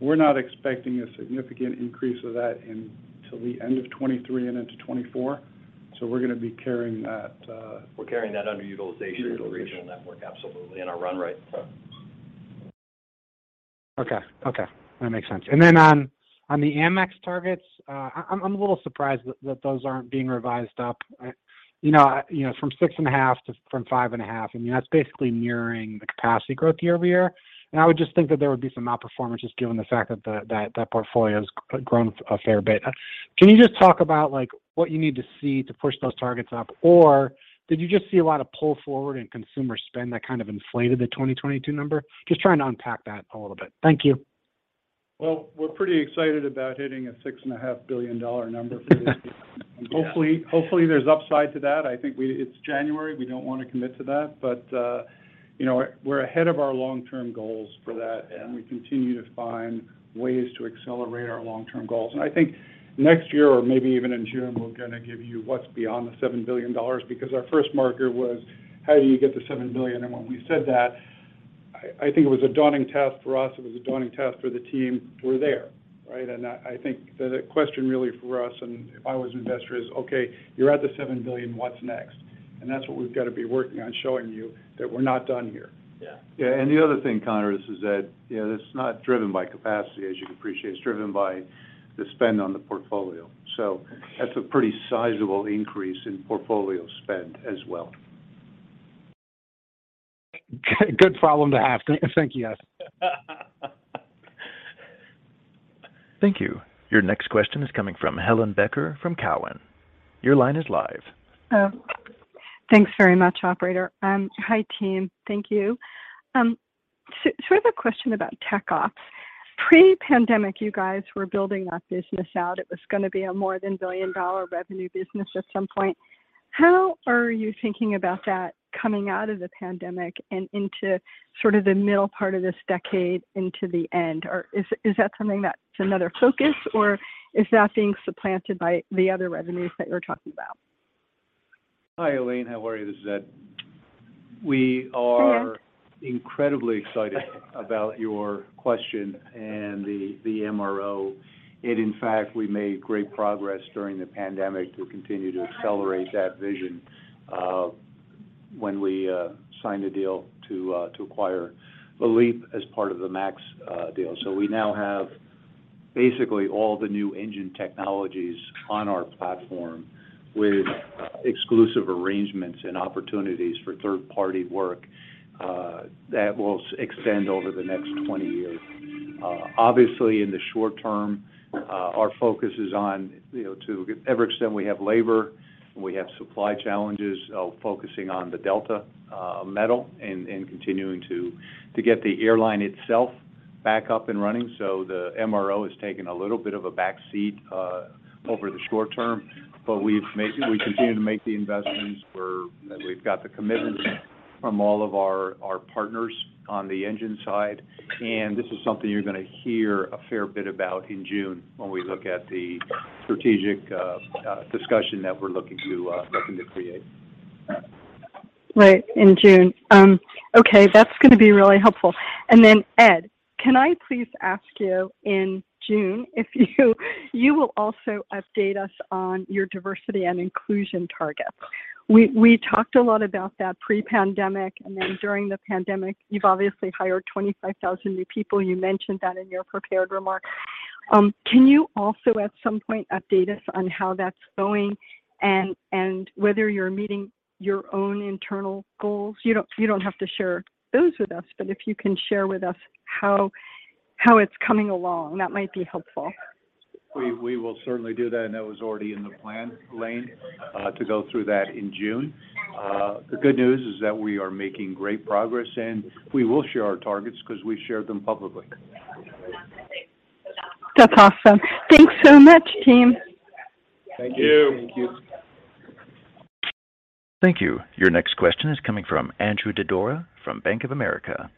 We're not expecting a significant increase of that until the end of 2023 and into 2024. We're gonna be carrying that. We're carrying that underutilization in the regional network, absolutely, in our run rate. Okay. Okay. That makes sense. On, on the Amex targets, I'm a little surprised that those aren't being revised up. You know, you know, from 6.5 from 5.5, I mean, that's basically nearing the capacity growth year-over-year. I would just think that there would be some outperformance just given the fact that that portfolio has grown a fair bit. Can you just talk about, like, what you need to see to push those targets up? Or did you just see a lot of pull forward in consumer spend that kind of inflated the 2022 number? Just trying to unpack that a little bit. Thank you. Well, we're pretty excited about hitting a $6.5 billion number for this year. Yeah. Hopefully, there's upside to that. I think it's January, we don't wanna commit to that. you know, we're ahead of our long-term goals for that, and we continue to find ways to accelerate our long-term goals. I think next year or maybe even in June, we're gonna give you what's beyond the $7 billion because our first marker was, how do you get to $7 billion? When we said that, I think it was a daunting task for us. It was a daunting task for the team. We're there, right? I think the question really for us, and if I was an investor, is, "Okay, you're at the $7 billion. What's next?" That's what we've got to be working on showing you that we're not done here. Yeah. Yeah. The other thing, Conor, is that, you know, that's not driven by capacity, as you can appreciate. It's driven by the spend on the portfolio. That's a pretty sizable increase in portfolio spend as well. Good problem to have. Thank you, guys. Thank you. Your next question is coming from Helane Becker from Cowen. Your line is live. Thanks very much, operator. Hi, team. Thank you. Sort of a question about Tech Ops. Pre-pandemic, you guys were building that business out. It was gonna be a more than $1 billion revenue business at some point. How are you thinking about that coming out of the pandemic and into sort of the middle part of this decade into the end? Or is that something that's another focus, or is that being supplanted by the other revenues that you're talking about? Hi, Helane. How are you? This is Ed. Hey, Ed. We are incredibly excited about your question and the MRO. In fact, we made great progress during the pandemic to continue to accelerate that vision when we signed a deal to acquire LEAP as part of the MAX deal. We now have basically all the new engine technologies on our platform with exclusive arrangements and opportunities for third-party work that will extend over the next 20 years. Obviously, in the short term, our focus is on, you know, to every extent we have labor, and we have supply challenges of focusing on the Delta metal and continuing to get the airline itself back up and running. The MRO has taken a little bit of a back seat over the short term, but we continue to make the investments and we've got the commitment from all of our partners on the engine side. This is something you're gonna hear a fair bit about in June when we look at the strategic discussion that we're looking to looking to create. Right. In June. Okay. That's gonna be really helpful. Ed, can I please ask you in June if you will also update us on your diversity and inclusion targets. We talked a lot about that pre-pandemic, and then during the pandemic, you've obviously hired 25,000 new people. You mentioned that in your prepared remarks. Can you also at some point update us on how that's going and whether you're meeting your own internal goals? You don't have to share those with us, but if you can share with us how it's coming along, that might be helpful. We will certainly do that, and that was already in the plan, Elaine, to go through that in June. The good news is that we are making great progress, and we will share our targets 'cause we shared them publicly. That's awesome. Thanks so much, team. Thank you. Thank you. Thank you. Your next question is coming from Andrew Didora from Bank of America.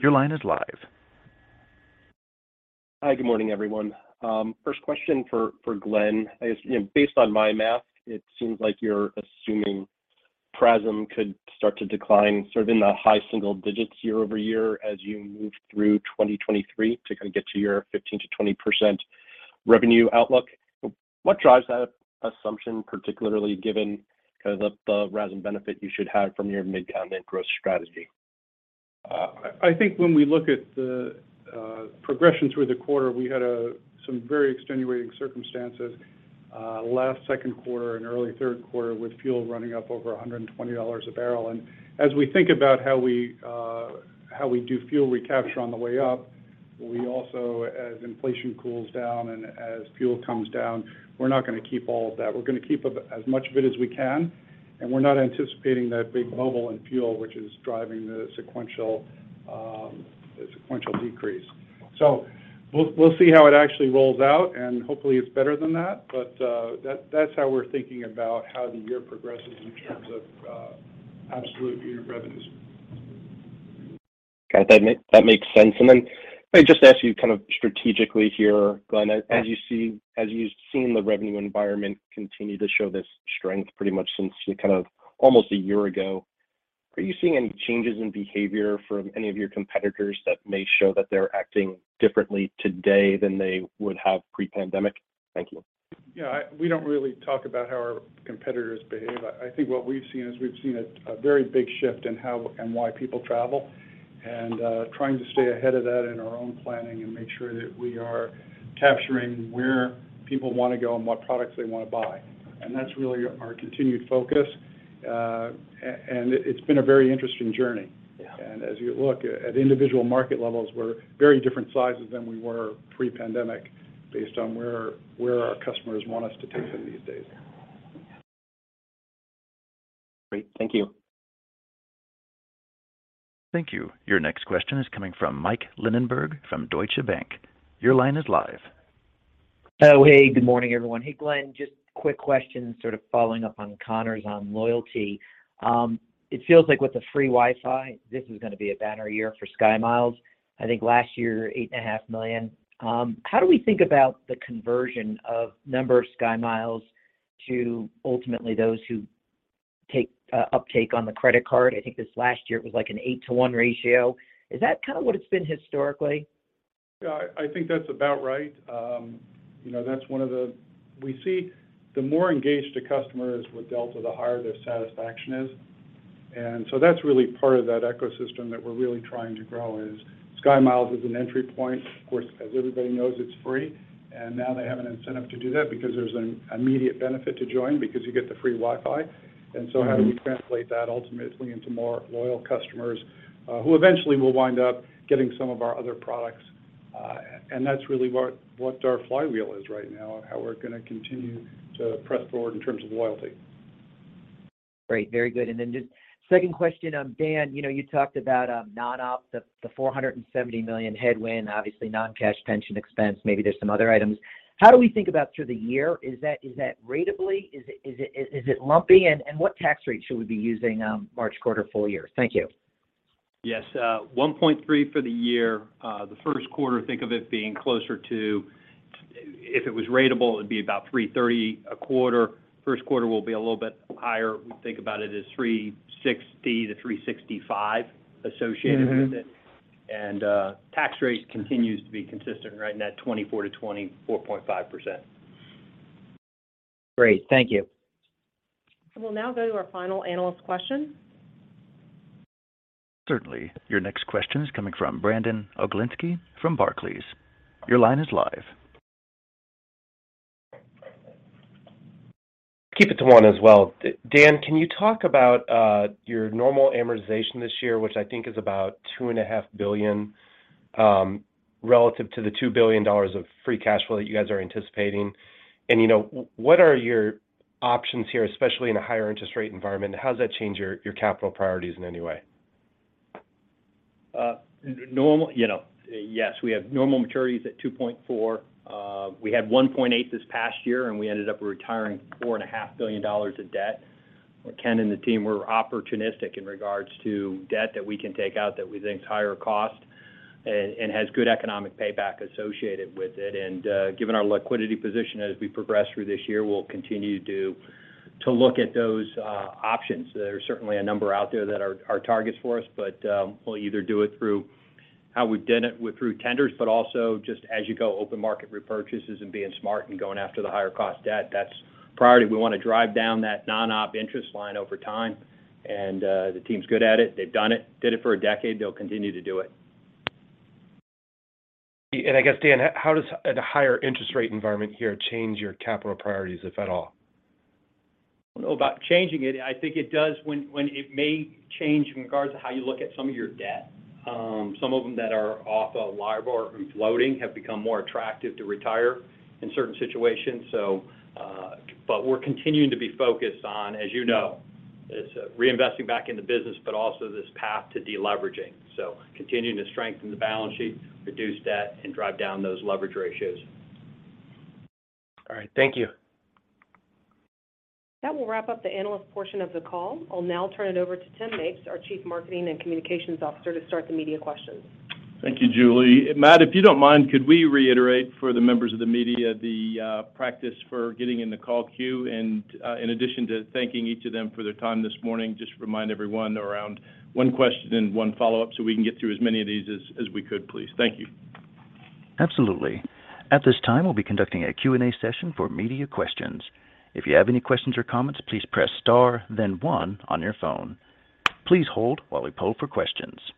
Your line is live. Hi. Good morning, everyone. First question for Glen. You know, based on my math, it seems like you're assuming PRASM could start to decline sort of in the high single digits year-over-year as you move through 2023 to kind of get to your 15%-20% revenue outlook. What drives that assumption, particularly given kind of the RASM benefit you should have from your mid-content growth strategy? I think when we look at the progression through the quarter, we had some very extenuating circumstances last second quarter and early third quarter with fuel running up over $120 a barrel. As we think about how we, how we do fuel recapture on the way up, we also as inflation cools down and as fuel comes down, we're not gonna keep all of that. We're gonna keep a, as much of it as we can, and we're not anticipating that big bubble in fuel, which is driving the sequential, the sequential decrease. We'll see how it actually rolls out, and hopefully it's better than that. That's how we're thinking about how the year progresses in terms of absolute unit revenues. Okay. That makes sense. Then if I could just ask you kind of strategically here, Glen? Yeah. As you've seen the revenue environment continue to show this strength pretty much since kind of almost a year ago, are you seeing any changes in behavior from any of your competitors that may show that they're acting differently today than they would have pre-pandemic? Thank you. Yeah. We don't really talk about how our competitors behave. I think what we've seen is we've seen a very big shift in how and why people travel and trying to stay ahead of that in our own planning and make sure that we are capturing where people wanna go and what products they wanna buy. That's really our continued focus. It's been a very interesting journey. Yeah. As you look at individual market levels, we're very different sizes than we were pre-pandemic based on where our customers want us to take them these days. Great. Thank you. Thank you. Your next question is coming from Mike Linenberg from Deutsche Bank. Your line is live. Oh, hey, good morning, everyone. Hey, Glen. Just quick question sort of following up on Conor's on loyalty. It feels like with the free Wi-Fi, this is gonna be a banner year for SkyMiles. I think last year, eight and a half million. How do we think about the conversion of number of SkyMiles to ultimately those who take uptake on the credit card? I think this last year it was, like, an eight-to-one ratio. Is that kind of what it's been historically? Yeah. I think that's about right. you know, We see the more engaged a customer is with Delta, the higher their satisfaction is. That's really part of that ecosystem that we're really trying to grow is SkyMiles is an entry point. Of course, as everybody knows, it's free. Now they have an incentive to do that because there's an immediate benefit to join because you get the free Wi-Fi. How do we translate that ultimately into more loyal customers who eventually will wind up getting some of our other products, and that's really what our flywheel is right now and how we're gonna continue to press forward in terms of loyalty. Great. Very good. Then just second question? Dan, you know, you talked about non-op, the $470 million headwind, obviously non-cash pension expense, maybe there's some other items. How do we think about through the year? Is that ratably? Is it lumpy? What tax rate should we be using, March quarter full year? Thank you. Yes, $1.3 billion for the year. The first quarter, think of it being closer to. If it was ratable, it would be about $330 million a quarter. First quarter will be a little bit higher. Think about it as $360 million-$365 million associated with it. Mm-hmm. Tax rate continues to be consistent right in that 24%-24.5%. Great. Thank you. We'll now go to our final analyst question. Certainly. Your next question is coming from Brandon Oglenski from Barclays. Your line is live. Keep it to one as well. Dan, can you talk about your normal amortization this year, which I think is about $2.5 billion relative to the $2 billion of free cash flow that you guys are anticipating. You know, what are your options here, especially in a higher interest rate environment? How does that change your capital priorities in any way? You know, yes, we have normal maturities at $2.4. We had $1.8 this past year, and we ended up retiring $4.5 billion of debt. Ken and the team were opportunistic in regards to debt that we can take out that we think is higher cost and has good economic payback associated with it. Given our liquidity position as we progress through this year, we'll continue to look at those options. There are certainly a number out there that are targets for us, but we'll either do it through how we've done it through tenders, but also just as you go open market repurchases and being smart and going after the higher cost debt. That's priority. We wanna drive down that non-op interest line over time, and the team's good at it. They've done it, did it for a decade. They'll continue to do it. I guess, Dan, how does a higher interest rate environment here change your capital priorities, if at all? I don't know about changing it. I think it does when it may change in regards to how you look at some of your debt. Some of them that are off of LIBOR and floating have become more attractive to retire in certain situations. We're continuing to be focused on, as you know, it's reinvesting back in the business, but also this path to deleveraging. Continuing to strengthen the balance sheet, reduce debt, and drive down those leverage ratios. All right. Thank you. That will wrap up the analyst portion of the call. I'll now turn it over to Tim Mapes, our Chief Marketing and Communications Officer, to start the media questions. Thank you, Julie. Matt, if you don't mind, could we reiterate for the members of the media the practice for getting in the call queue and in addition to thanking each of them for their time this morning, just remind everyone around one question and one follow-up so we can get through as many of these as we could, please. Thank you. Absolutely. At this time, we'll be conducting a Q&A session for media questions. If you have any questions or comments, please press star then one on your phone. Please hold while we poll for questions.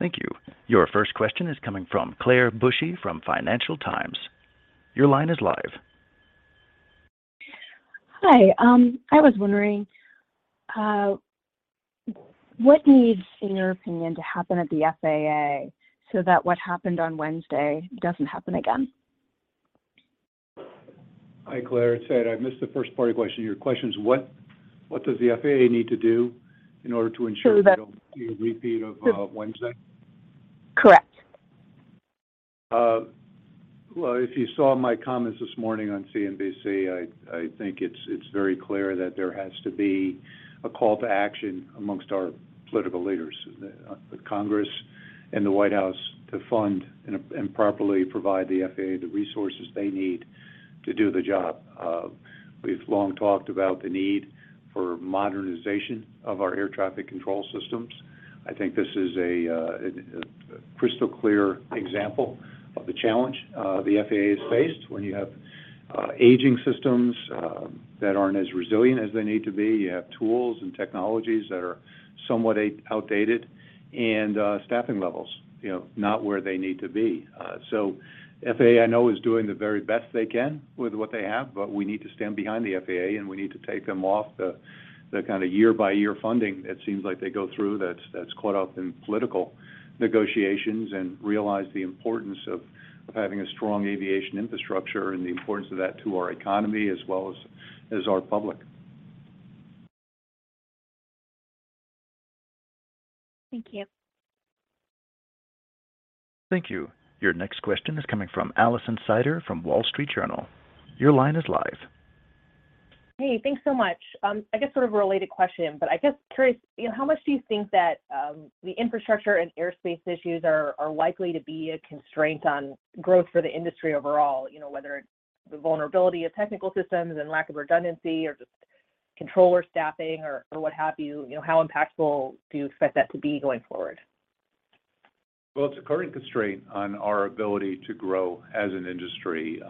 Thank you. Your first question is coming from Claire Bushey from Financial Times. Your line is live. Hi. I was wondering what needs, in your opinion, to happen at the FAA so that what happened on Wednesday doesn't happen again? Hi, Claire. It's Ed. I missed the first part of your question. Your question is what does the FAA need to do in order to ensure- So that- We don't see a repeat of, Wednesday? Correct. Well, if you saw my comments this morning on CNBC, I think it's very clear that there has to be a call to action amongst our political leaders, the Congress and the White House to fund and properly provide the FAA the resources they need to do the job. We've long talked about the need for modernization of our air traffic control systems. I think this is a crystal clear example of the challenge the FAA has faced when you have aging systems that aren't as resilient as they need to be. You have tools and technologies that are somewhat outdated and staffing levels, you know, not where they need to be. FAA, I know, is doing the very best they can with what they have, but we need to stand behind the FAA, and we need to take them off the kind of year-by-year funding it seems like they go through that's caught up in political negotiations and realize the importance of having a strong aviation infrastructure and the importance of that to our economy as well as our public. Thank you. Thank you. Your next question is coming from Alison Sider from The Wall Street Journal. Your line is live. Hey, thanks so much. I guess sort of a related question, but I guess curious, you know, how much do you think that the infrastructure and airspace issues are likely to be a constraint on growth for the industry overall? You know, whether it's the vulnerability of technical systems and lack of redundancy or just controller staffing or what have you. You know, how impactful do you expect that to be going forward? Well, it's a current constraint on our ability to grow as an industry. You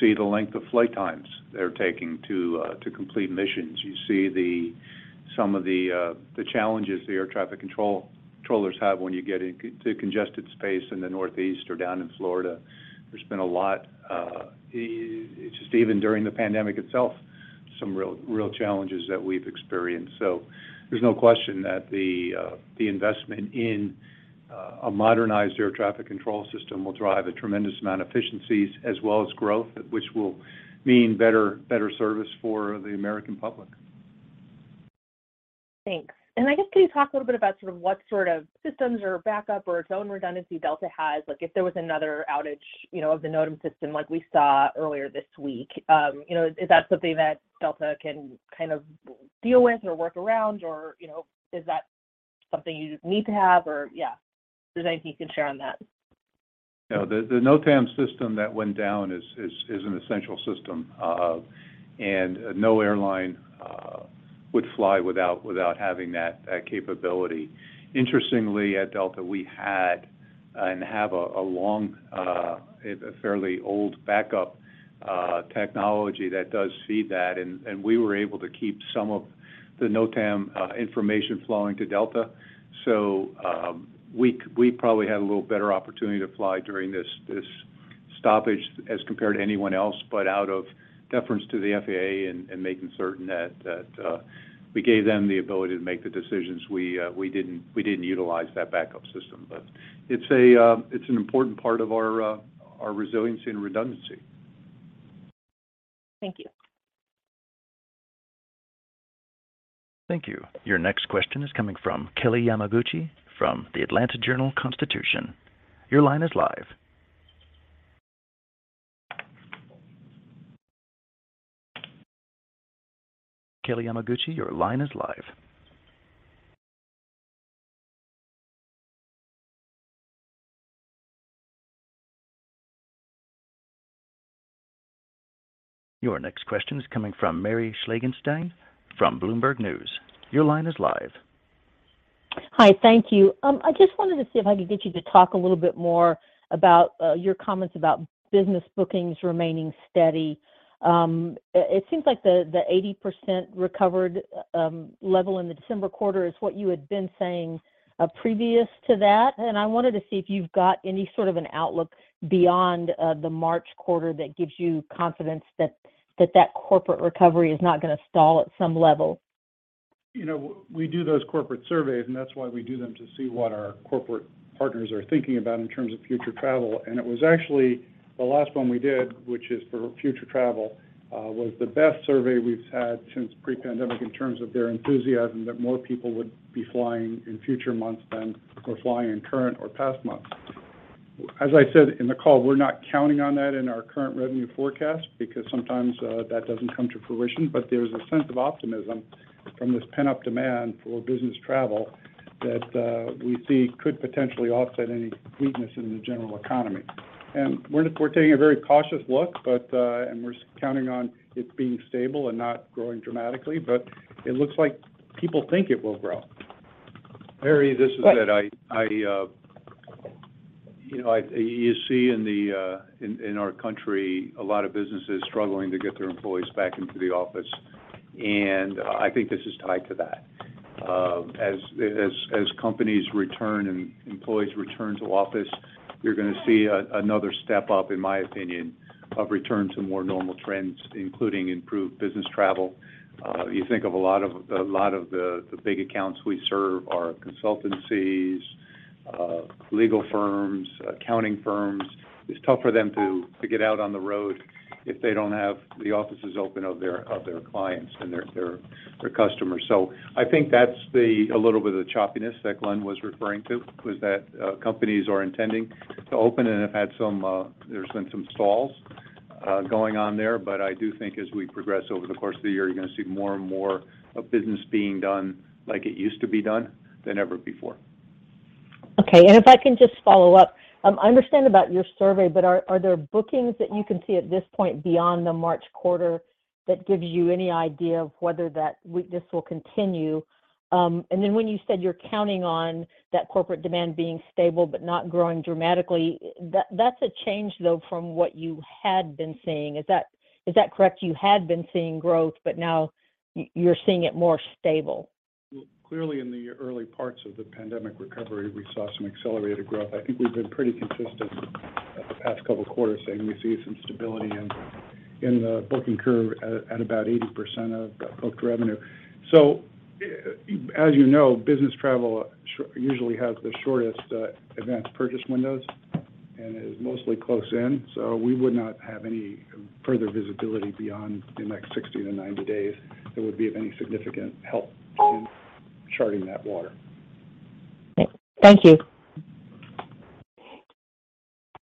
see the length of flight times they're taking to complete missions. You see some of the challenges the air traffic controllers have when you get into congested space in the Northeast or down in Florida. There's been a lot just even during the pandemic itself, some real challenges that we've experienced. There's no question that the investment in a modernized air traffic control system will drive a tremendous amount of efficiencies as well as growth, which will mean better service for the American public. Thanks. I guess can you talk a little bit about sort of what sort of systems or backup or its own redundancy Delta has, like if there was another outage, you know, of the NOTAM system like we saw earlier this week, you know, is that something that Delta can kind of deal with or work around or, you know, is that something you just need to have or yeah? If there's anything you can share on that. The NOTAM system that went down is an essential system. No airline would fly without having that capability. Interestingly, at Delta, we had and have a long, a fairly old backup technology that does feed that, and we were able to keep some of the NOTAM information flowing to Delta. We probably had a little better opportunity to fly during this stoppage as compared to anyone else, but out of deference to the FAA and making certain that we gave them the ability to make the decisions, we didn't utilize that backup system. It's an important part of our resiliency and redundancy. Thank you. Thank you. Your next question is coming from Kelly Yamanouchi from The Atlanta Journal-Constitution. Your line is live. Kelly Yamanouchi, your line is live. Your next question is coming from Mary Schlangenstein from Bloomberg News. Your line is live. Hi. Thank you. I just wanted to see if I could get you to talk a little bit more about your comments about business bookings remaining steady. It seems like the 80% recovered level in the December quarter is what you had been saying previous to that, and I wanted to see if you've got any sort of an outlook beyond the March quarter that gives you confidence that corporate recovery is not gonna stall at some level. You know, we do those corporate surveys, and that's why we do them to see what our corporate partners are thinking about in terms of future travel. It was actually the last one we did, which is for future travel, was the best survey we've had since pre-pandemic in terms of their enthusiasm that more people would be flying in future months than were flying in current or past months. As I said in the call, we're not counting on that in our current revenue forecast because sometimes that doesn't come to fruition. There's a sense of optimism from this pent-up demand for business travel that we see could potentially offset any weakness in the general economy. We're taking a very cautious look, but and we're counting on it being stable and not growing dramatically. It looks like people think it will grow. Mary, this is Ed. I, you know, you see in the, in our country a lot of businesses struggling to get their employees back into the office, and I think this is tied to that. As companies return and employees return to office, you're gonna see another step up, in my opinion, of return to more normal trends, including improved business travel. You think of a lot of the big accounts we serve are consultancies, legal firms, accounting firms. It's tough for them to get out on the road if they don't have the offices open of their clients and their customers. I think that's a little bit of the choppiness that Glen was referring to, was that companies are intending to open and have had some, there's been some stalls, going on there. I do think as we progress over the course of the year, you're gonna see more and more of business being done like it used to be done than ever before. Okay. If I can just follow up. I understand about your survey, but are there bookings that you can see at this point beyond the March quarter that gives you any idea of whether that weakness will continue? When you said you're counting on that corporate demand being stable but not growing dramatically, that's a change, though, from what you had been seeing. Is that correct? You had been seeing growth, but now you're seeing it more stable. Clearly, in the early parts of the pandemic recovery, we saw some accelerated growth. I think we've been pretty consistent the past couple of quarters saying we see some stability in the booking curve at about 80% of booked revenue. As you know, business travel usually has the shortest advanced purchase windows and is mostly close in, so we would not have any further visibility beyond the next 60 to 90 days that would be of any significant help in charting that water. Thank you.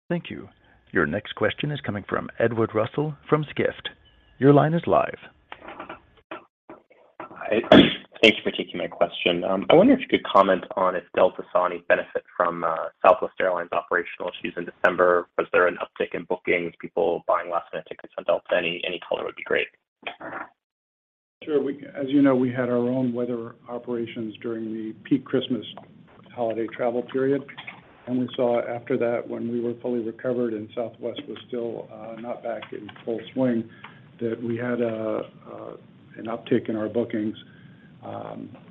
Thank you. Your next question is coming from Edward Russell from Skift. Your line is live. Hi. Thank you for taking my question. I wonder if you could comment on if Delta saw any benefit from Southwest Airlines' operational issues in December. Was there an uptick in bookings, people buying last-minute tickets on Delta? Any color would be great. Sure. As you know, we had our own weather operations during the peak Christmas holiday travel period. We saw after that, when we were fully recovered and Southwest was still not back in full swing, that we had an uptick in our bookings.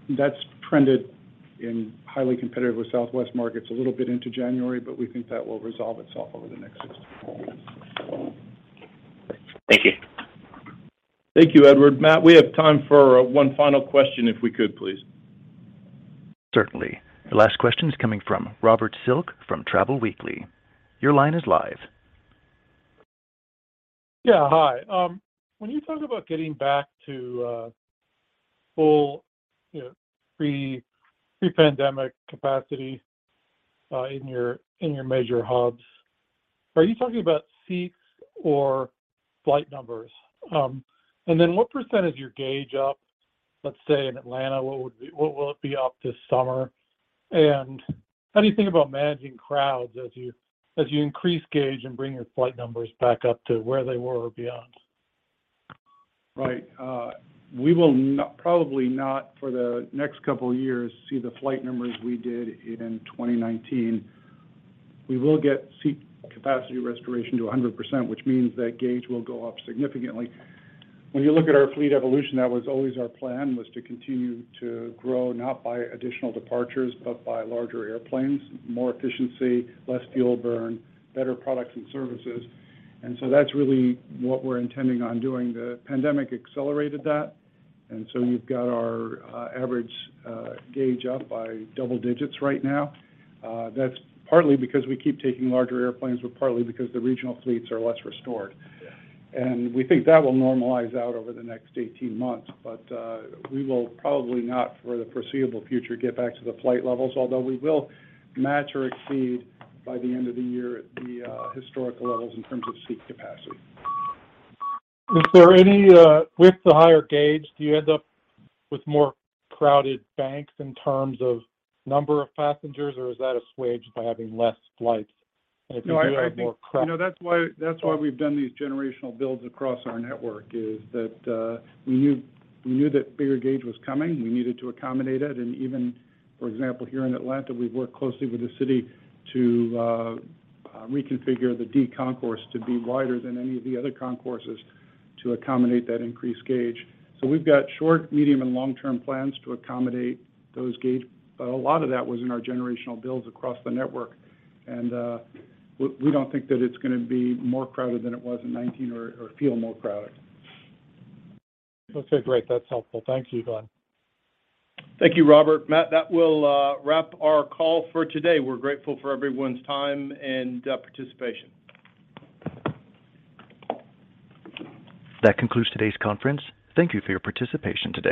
That's trended in highly competitive with Southwest markets a little bit into January. We think that will resolve itself over the next six months or so. Thank you. Thank you, Edward. Matt, we have time for one final question if we could, please. Certainly. The last question is coming from Robert Silk from Travel Weekly. Your line is live. Yeah, hi. When you talk about getting back to full, you know, pre-pandemic capacity, in your major hubs, are you talking about seats or flight numbers? What percent is your gauge up, let say, in Atlanta? What will it be up this summer? How do you think about managing crowds as you increase gauge and bring your flight numbers back up to where they were or beyond? Right. Probably not for the next couple of years see the flight numbers we did in 2019. We will get seat capacity restoration to 100%, which means that gauge will go up significantly. When you look at our fleet evolution, that was always our plan, was to continue to grow, not by additional departures, but by larger airplanes, more efficiency, less fuel burn, better products and services. That's really what we're intending on doing. The pandemic accelerated that, so you've got our average gauge up by double digits right now. That's partly because we keep taking larger airplanes, but partly because the regional fleets are less restored. We think that will normalize out over the next 18 months. We will probably not, for the foreseeable future, get back to the flight levels. We will match or exceed by the end of the year at the historical levels in terms of seat capacity. With the higher gauge, do you end up with more crowded banks in terms of number of passengers, or is that assuaged by having less flights? No, I think, you know, that's why, that's why we've done these generational builds across our network, is that we knew that bigger gauge was coming. We needed to accommodate it. Even, for example, here in Atlanta, we've worked closely with the city to reconfigure the D concourse to be wider than any of the other concourses to accommodate that increased gauge. We've got short, medium, and long-term plans to accommodate those gauge. A lot of that was in our generational builds across the network. We don't think that it's gonna be more crowded than it was in 19 or feel more crowded. Okay, great. That's helpful. Thank you, Glen. Thank you, Robert. Matt, that will wrap our call for today. We're grateful for everyone's time and participation. That concludes today's conference. Thank you for your participation today.